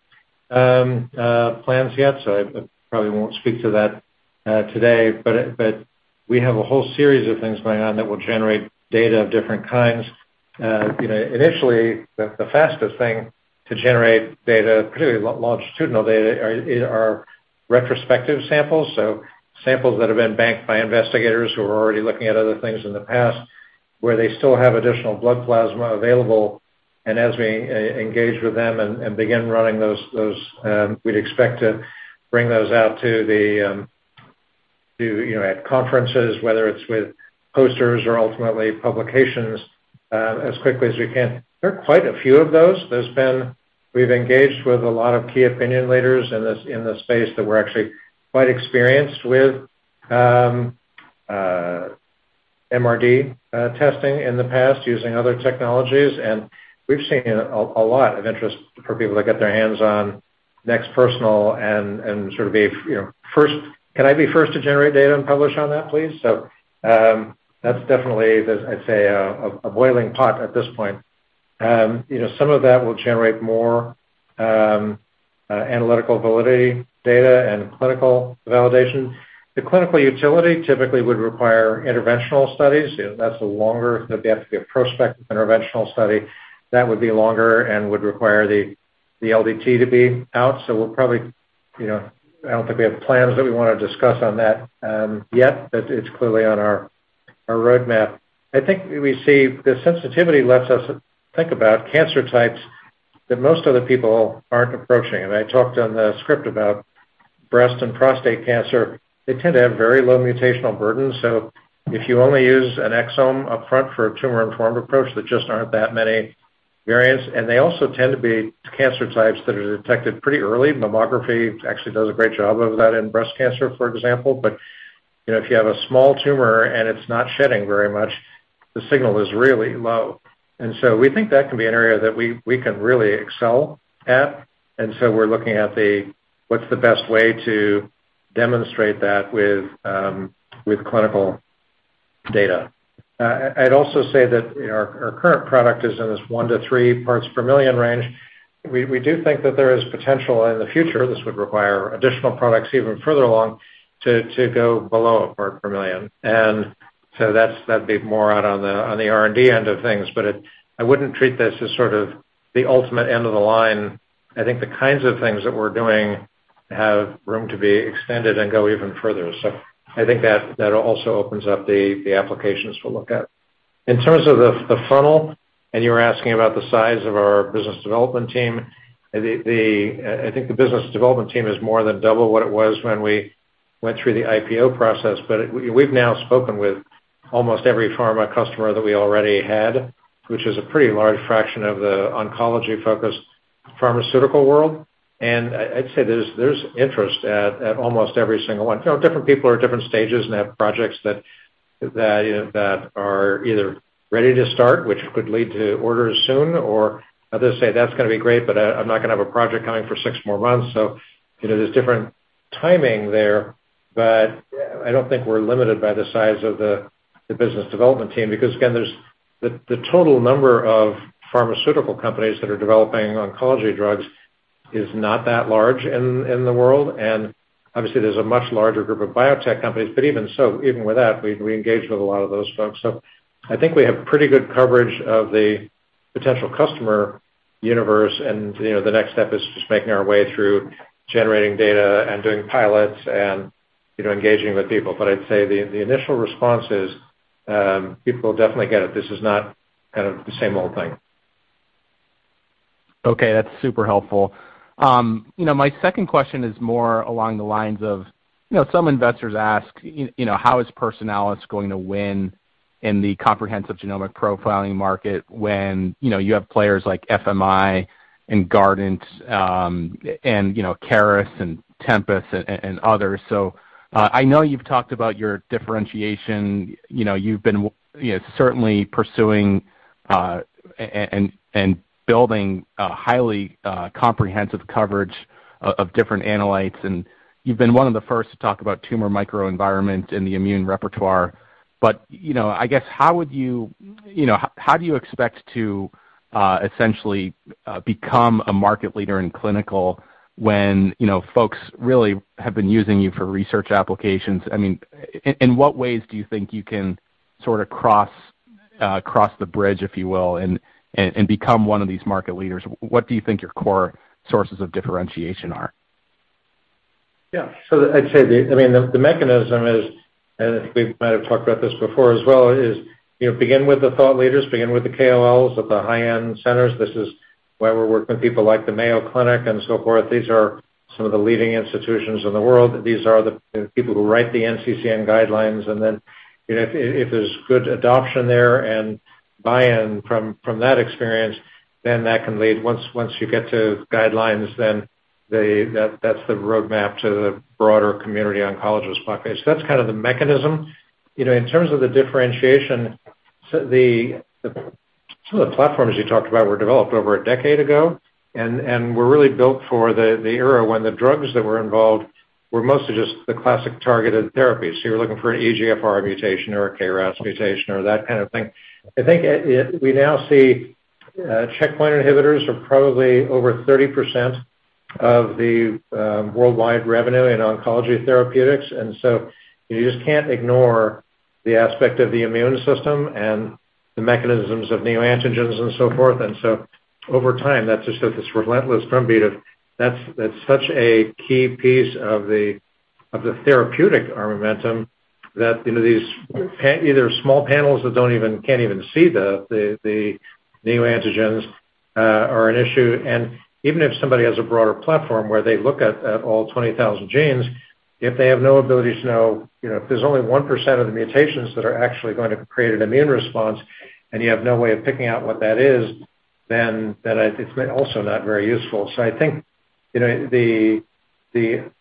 plans yet, so I probably won't speak to that today. We have a whole series of things going on that will generate data of different kinds. You know, initially, the fastest thing to generate data, particularly longitudinal data are retrospective samples. Samples that have been banked by investigators who are already looking at other things in the past, where they still have additional blood plasma available. As we engage with them and begin running those, we'd expect to bring those out to you know at conferences, whether it's with posters or ultimately publications, as quickly as we can. There are quite a few of those. We've engaged with a lot of key opinion leaders in this space that we're actually quite experienced with, MRD testing in the past using other technologies. We've seen a lot of interest for people to get their hands on NeXT Personal and sort of be you know first. "Can I be first to generate data and publish on that, please?" That's definitely the, I'd say, a boiling pot at this point. You know, some of that will generate more analytical validity data and clinical validation. The clinical utility typically would require interventional studies. You know, that'd have to be a prospective interventional study. That would be longer and would require the LDT to be out. We'll probably, you know, I don't think we have plans that we wanna discuss on that yet, but it's clearly on our roadmap. I think we see the sensitivity lets us think about cancer types that most other people aren't approaching. I talked on the script about breast and prostate cancer. They tend to have very low mutational burden. If you only use an exome upfront for a tumor-informed approach, there just aren't that many variants. They also tend to be cancer types that are detected pretty early. Mammography actually does a great job of that in breast cancer, for example. You know, if you have a small tumor and it's not shedding very much, the signal is really low. We think that can be an area that we can really excel at. We're looking at what's the best way to demonstrate that with clinical data. I'd also say that, you know, our current product is in this 1-3 parts per million range. We do think that there is potential in the future. This would require additional products even further along, to go below 1 part per million. That's that'd be more out on the R&D end of things. I wouldn't treat this as sort of the ultimate end of the line. I think the kinds of things that we're doing have room to be extended and go even further. I think that also opens up the applications to look at. In terms of the funnel, and you were asking about the size of our business development team, I think the business development team is more than double what it was when we went through the IPO process. But we’ve now spoken with almost every pharma customer that we already had, which is a pretty large fraction of the oncology-focused pharmaceutical world. And I’d say there’s interest at almost every single one. You know, different people are at different stages and have projects that you know are either ready to start, which could lead to orders soon, or others say, "That's gonna be great, but I'm not gonna have a project coming for six more months." You know, there's different timing there, but I don't think we're limited by the size of the business development team because again, there's the total number of pharmaceutical companies that are developing oncology drugs is not that large in the world. Obviously, there's a much larger group of biotech companies. Even so, even with that, we've engaged with a lot of those folks. I think we have pretty good coverage of the potential customer universe. You know, the next step is just making our way through generating data and doing pilots and, you know, engaging with people. But I'd say the initial response is, people definitely get it. This is not kind of the same old thing. Okay, that's super helpful. You know, my second question is more along the lines of, you know, some investors ask you know, how is Personalis going to win in the comprehensive genomic profiling market when, you know, you have players like FMI and Guardant, and, you know, Caris and Tempus and others? I know you've talked about your differentiation. You know, you've been you know, certainly pursuing, and building a highly, comprehensive coverage of different analytes, and you've been one of the first to talk about tumor microenvironment in the immune repertoire. You know, I guess, how would you know, how do you expect to, essentially, become a market leader in clinical when, you know, folks really have been using you for research applications? I mean, in what ways do you think you can sort of cross the bridge, if you will, and become one of these market leaders? What do you think your core sources of differentiation are? Yeah. I'd say, I mean, the mechanism is, and I think we might have talked about this before as well is, you know, begin with the thought leaders, begin with the KOLs at the high-end centers. This is why we work with people like the Mayo Clinic and so forth. These are some of the leading institutions in the world. These are the people who write the NCCN guidelines. Then, you know, if there's good adoption there and buy-in from that experience, then that can lead. Once you get to guidelines, then that's the roadmap to the broader community oncologist bucket. That's kind of the mechanism. You know, in terms of the differentiation, some of the platforms you talked about were developed over a decade ago and were really built for the era when the drugs that were involved were mostly just the classic targeted therapies. You're looking for an EGFR mutation or a KRAS mutation or that kind of thing. I think we now see checkpoint inhibitors are probably over 30% of the worldwide revenue in oncology therapeutics, and you just can't ignore the aspect of the immune system and the mechanisms of neoantigens and so forth. Over time, that's just this relentless drumbeat of that's such a key piece of the therapeutic armamentarium that, you know, these either small panels that can't even see the neoantigens are an issue. Even if somebody has a broader platform where they look at all 20,000 genes, if they have no ability to know, you know, if there's only 1% of the mutations that are actually going to create an immune response, and you have no way of picking out what that is, then it's also not very useful. I think, you know,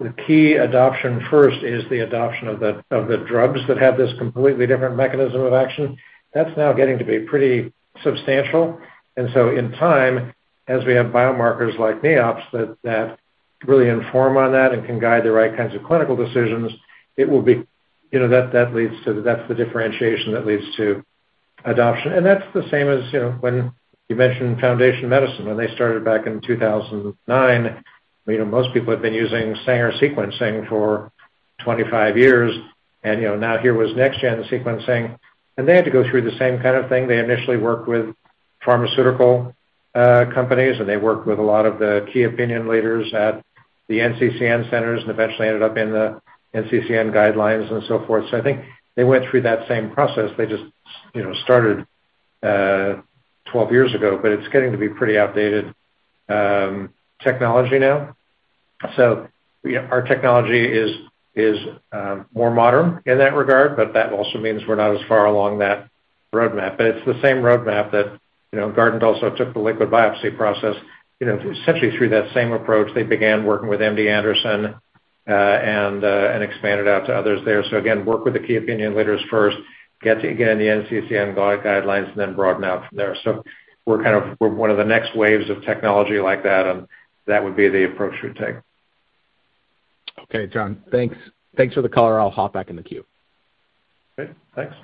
the key adoption first is the adoption of the drugs that have this completely different mechanism of action that's now getting to be pretty substantial. In time, as we have biomarkers like NEOPS that really inform on that and can guide the right kinds of clinical decisions, it will be. You know, that leads to. That's the differentiation that leads to adoption. That's the same as, you know, when you mentioned Foundation Medicine, when they started back in 2009, you know, most people had been using Sanger sequencing for 25 years. You know, now here was next-gen sequencing, and they had to go through the same kind of thing. They initially worked with pharmaceutical companies, and they worked with a lot of the key opinion leaders at the NCCN centers, and eventually ended up in the NCCN guidelines and so forth. I think they went through that same process. They just, you know, started 12 years ago, but it's getting to be pretty outdated technology now. Our technology is more modern in that regard, but that also means we're not as far along that roadmap. It's the same roadmap that, you know, Guardant also took the liquid biopsy process, you know, essentially through that same approach. They began working with MD Anderson and expanded out to others there. Again, work with the key opinion leaders first, get to, again, the NCCN guidelines and then broaden out from there. We're one of the next waves of technology like that, and that would be the approach we'd take. Okay, John. Thanks. Thanks for the color. I'll hop back in the queue. Okay, thanks.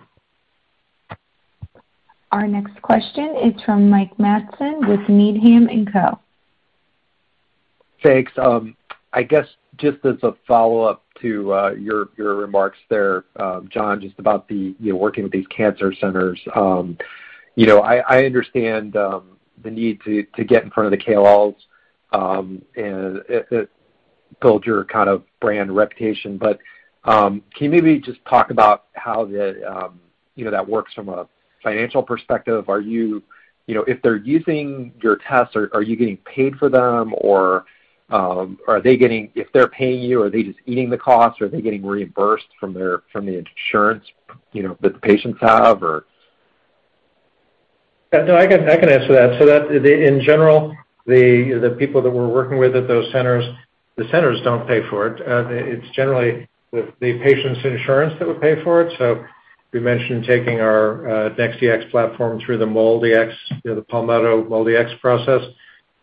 Our next question is from Mike Matson with Needham & Co. Thanks. I guess just as a follow-up to your remarks there, John, just about you working with these cancer centers, you know, I understand the need to get in front of the KOLs and build your kind of brand reputation. Can you maybe just talk about how, you know, that works from a financial perspective? You know, if they're using your tests, are you getting paid for them or are they getting? If they're paying you, are they just eating the cost or are they getting reimbursed from the insurance, you know, that the patients have or? Yeah. No, I can answer that. In general, the people that we're working with at those centers, the centers don't pay for it. It's generally the patient's insurance that would pay for it. We mentioned taking our NeXT Dx platform through the MolDX, you know, the Palmetto MolDX process.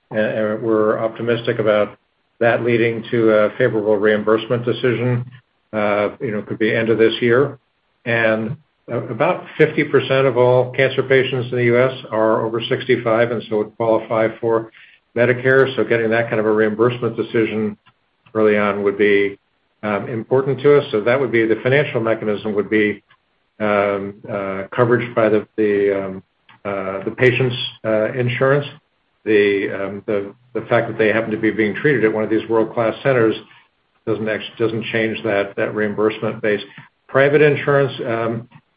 We're optimistic about that leading to a favorable reimbursement decision, you know, could be end of this year. About 50% of all cancer patients in the U.S. are over 65 and so would qualify for Medicare. Getting that kind of a reimbursement decision early on would be important to us. That would be the financial mechanism, would be coverage by the patient's insurance. The fact that they happen to be being treated at one of these world-class centers doesn't change that reimbursement base. Private insurance,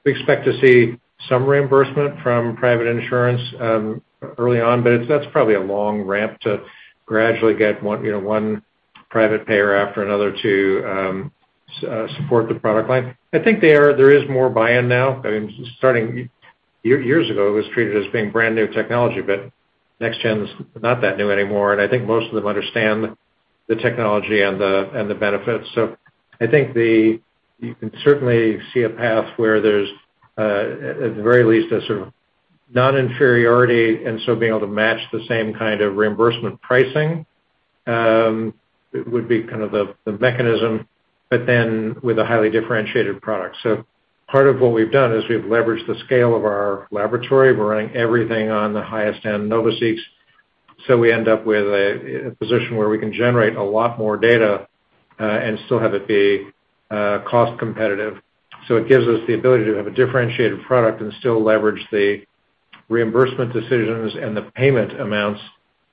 we expect to see some reimbursement from private insurance early on, but it's a long ramp to gradually get one, you know, one private payer after another to support the product line. I think there is more buy-in now. I mean, starting years ago, it was treated as being brand-new technology, but next gen is not that new anymore. I think most of them understand the technology and the benefits. I think the You can certainly see a path where there's at the very least a sort of non-inferiority, and so being able to match the same kind of reimbursement pricing would be kind of the mechanism, but then with a highly differentiated product. Part of what we've done is we've leveraged the scale of our laboratory. We're running everything on the highest end NovaSeq. We end up with a position where we can generate a lot more data and still have it be cost competitive. It gives us the ability to have a differentiated product and still leverage the reimbursement decisions and the payment amounts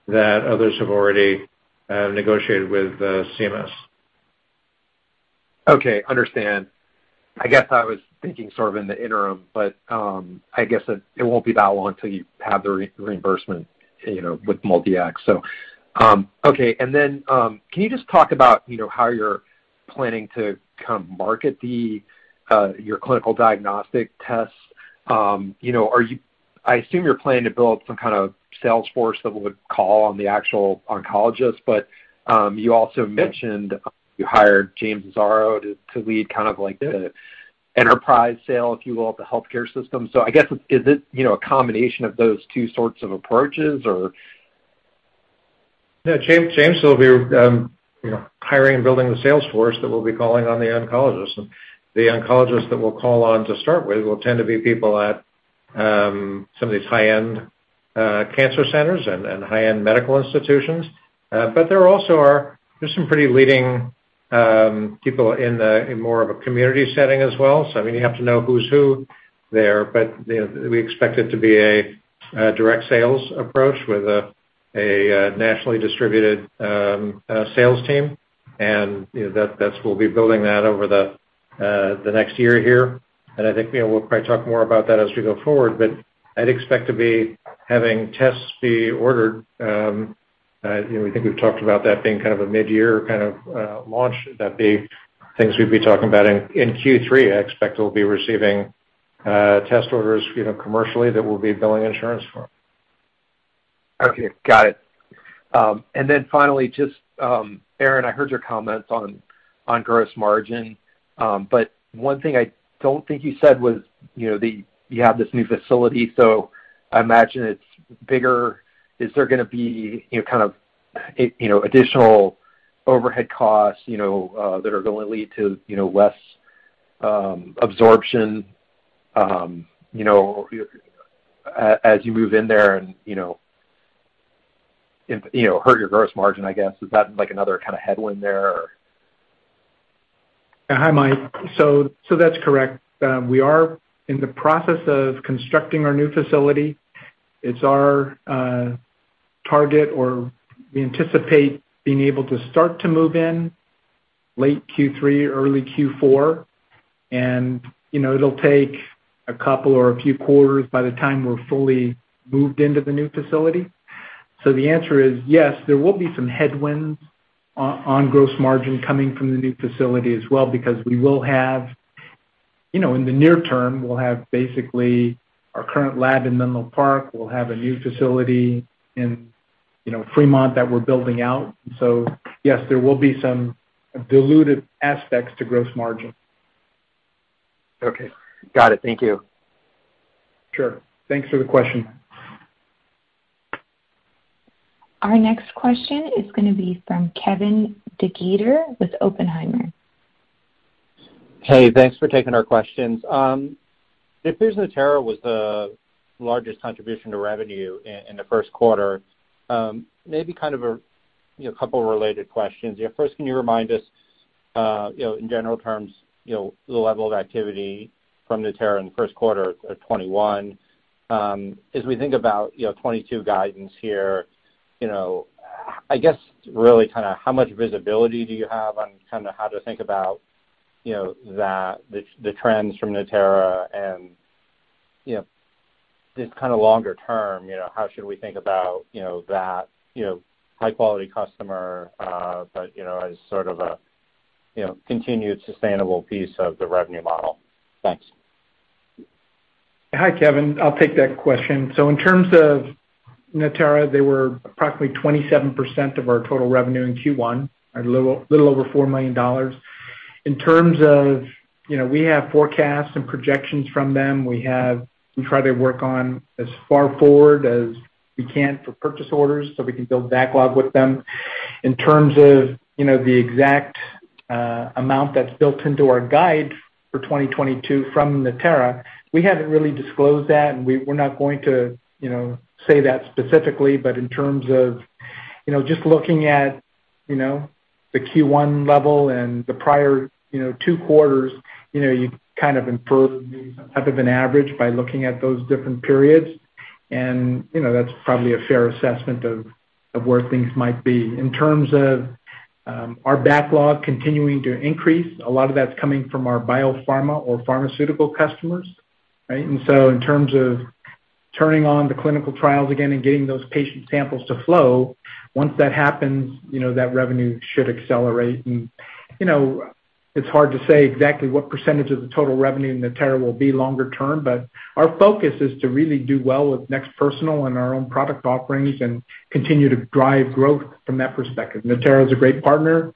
that others have already negotiated with CMS. Okay, understand. I guess I was thinking sort of in the interim, but I guess it won't be that long till you have the reimbursement, you know, with MolDX. Can you just talk about, you know, how you're planning to kind of market your clinical diagnostic tests? You know, are you? I assume you're planning to build some kind of sales force that would call on the actual oncologist, but you also mentioned you hired James Azzaro to lead kind of like the enterprise sale, if you will, of the healthcare system. I guess, is it, you know, a combination of those two sorts of approaches or? Yeah. James will be hiring and building the sales force that we'll be calling on the oncologist. The oncologist that we'll call on to start with will tend to be people at some of these high-end cancer centers and high-end medical institutions. There's some pretty leading people in more of a community setting as well. I mean, you have to know who's who there. You know, we expect it to be a direct sales approach with a nationally distributed sales team. We'll be building that over the next year here. I think, you know, we'll probably talk more about that as we go forward, but I'd expect to be having tests be ordered. You know, we think we've talked about that being kind of a midyear kind of launch, that the things we'd be talking about in Q3. I expect we'll be receiving test orders, you know, commercially that we'll be billing insurance for. Okay. Got it. Finally just, Aaron, I heard your comments on gross margin. One thing I don't think you said was, you know, the. You have this new facility, so I imagine it's bigger. Is there gonna be, you know, kind of, you know, additional overhead costs, you know, that are gonna lead to, you know, less absorption, you know, as you move in there and hurt your gross margin, I guess? Is that like another kind of headwind there? Hi, Mike. That's correct. We are in the process of constructing our new facility. It's our target, or we anticipate being able to start to move in late Q3, early Q4. You know, it'll take a couple or a few quarters by the time we're fully moved into the new facility. The answer is yes, there will be some headwinds on gross margin coming from the new facility as well because we will have. You know, in the near term, we'll have basically our current lab in Menlo Park, we'll have a new facility in, you know, Fremont that we're building out. Yes, there will be some dilutive aspects to gross margin. Okay. Got it. Thank you. Sure. Thanks for the question. Our next question is gonna be from Kevin DeGeeter with Oppenheimer. Hey, thanks for taking our questions. If Natera was the largest contribution to revenue in the first quarter, maybe kind of a couple related questions. Yeah, first, can you remind us, you know, in general terms, you know, the level of activity from Natera in the first quarter of 2021? As we think about, you know, 2022 guidance here, you know, I guess really kinda how much visibility do you have on kinda how to think about, you know, that the trends from Natera and, you know, just kinda longer term, you know, how should we think about, you know, that, you know, high quality customer, but, you know, as sort of a continued sustainable piece of the revenue model? Thanks. Hi, Kevin. I'll take that question. In terms of Natera, they were approximately 27% of our total revenue in Q1, a little over $4 million. You know, we have forecasts and projections from them. We try to work on as far forward as we can for purchase orders, so we can build backlog with them. In terms of the exact amount that's built into our guide for 2022 from Natera, we haven't really disclosed that, and we're not going to say that specifically. In terms of just looking at the Q1 level and the prior two quarters, you kind of infer maybe some type of an average by looking at those different periods. You know, that's probably a fair assessment of where things might be. In terms of our backlog continuing to increase, a lot of that's coming from our biopharma or pharmaceutical customers, right? In terms of turning on the clinical trials again and getting those patient samples to flow, once that happens, you know, that revenue should accelerate. You know, it's hard to say exactly what percentage of the total revenue in Natera will be longer term, but our focus is to really do well with NeXT Personal and our own product offerings and continue to drive growth from that perspective. Natera is a great partner.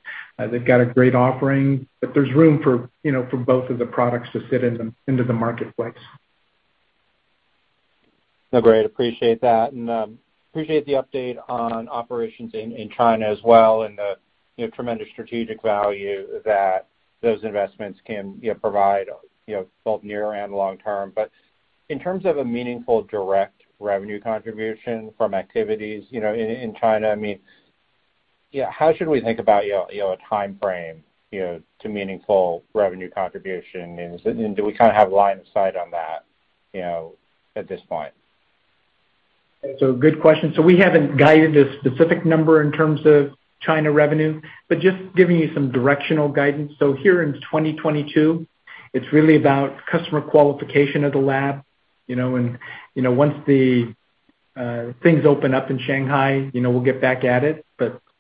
They've got a great offering, but there's room for, you know, for both of the products to fit into the marketplace. No, great. Appreciate that. Appreciate the update on operations in China as well and the, you know, tremendous strategic value that those investments can, you know, provide, you know, both near and long term. In terms of a meaningful direct revenue contribution from activities, you know, in China, I mean, yeah, how should we think about, you know, a timeframe, you know, to meaningful revenue contribution? Do we kinda have line of sight on that, you know, at this point? Good question. We haven't guided a specific number in terms of China revenue, but just giving you some directional guidance. Here in 2022, it's really about customer qualification of the lab, you know. You know, once the things open up in Shanghai, you know, we'll get back at it.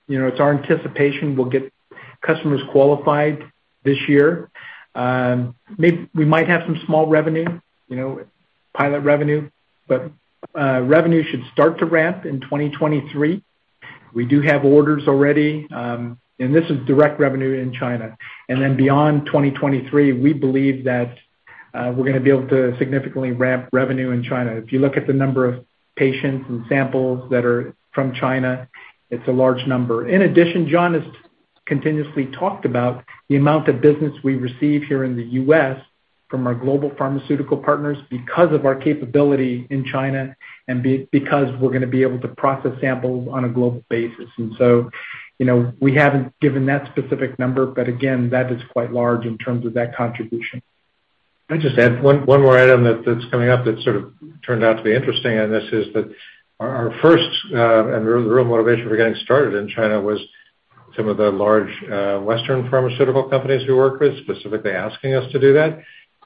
You know, it's our anticipation we'll get customers qualified this year. We might have some small revenue, you know, pilot revenue, but revenue should start to ramp in 2023. We do have orders already. This is direct revenue in China. Beyond 2023, we believe that we're gonna be able to significantly ramp revenue in China. If you look at the number of patients and samples that are from China, it's a large number. In addition, John has continuously talked about the amount of business we receive here in the U.S. from our global pharmaceutical partners because of our capability in China and because we're gonna be able to process samples on a global basis. You know, we haven't given that specific number, but again, that is quite large in terms of that contribution. Can I just add one more item that's coming up that sort of turned out to be interesting, and this is that our first and the real motivation for getting started in China was some of the large Western pharmaceutical companies we work with specifically asking us to do that.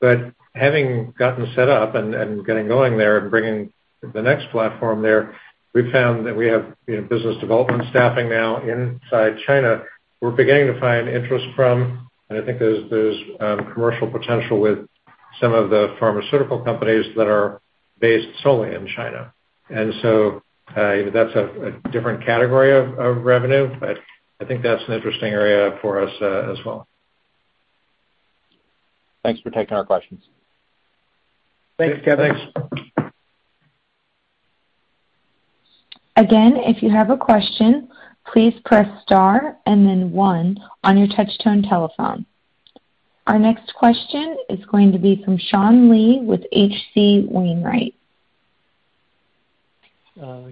But having gotten set up and getting going there and bringing the next platform there, we found that we have, you know, business development staffing now inside China. We're beginning to find interest from, and I think there's commercial potential with some of the pharmaceutical companies that are based solely in China. You know, that's a different category of revenue, but I think that's an interesting area for us as well. Thanks for taking our questions. Thanks. Thanks. Again, if you have a question, please press star and then one on your touch-tone telephone. Our next question is going to be from Sean Lee with H.C. Wainwright.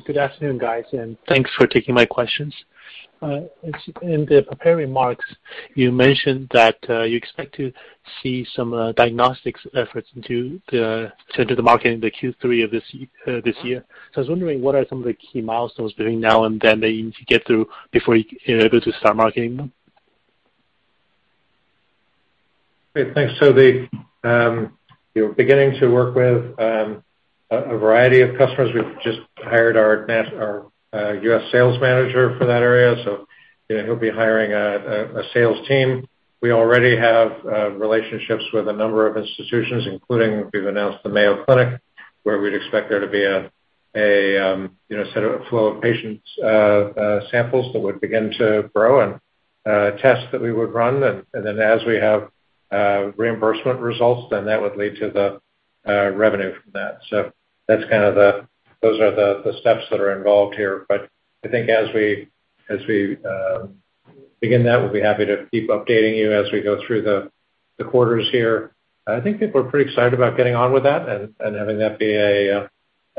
Good afternoon, guys, and thanks for taking my questions. In the prepared remarks, you mentioned that you expect to see some diagnostics efforts into the market in the Q3 of this year. I was wondering what are some of the key milestones between now and then that you need to get through before you're able to start marketing them? Great. Thanks. We're beginning to work with a variety of customers. We've just hired our new U.S. sales manager for that area, so you know, he'll be hiring a sales team. We already have relationships with a number of institutions, including. We've announced the Mayo Clinic, where we'd expect there to be a steady flow of patients, samples that would begin to grow and tests that we would run. As we have reimbursement results, that would lead to the revenue from that. Those are the steps that are involved here. I think as we begin that, we'll be happy to keep updating you as we go through the quarters here. I think people are pretty excited about getting on with that and having that be a,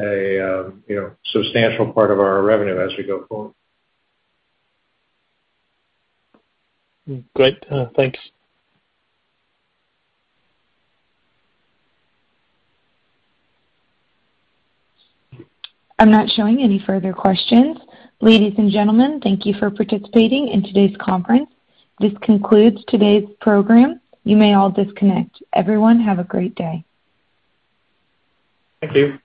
you know, substantial part of our revenue as we go forward. Great. Thanks. I'm not showing any further questions. Ladies and gentlemen, thank you for participating in today's conference. This concludes today's program. You may all disconnect. Everyone, have a great day. Thank you.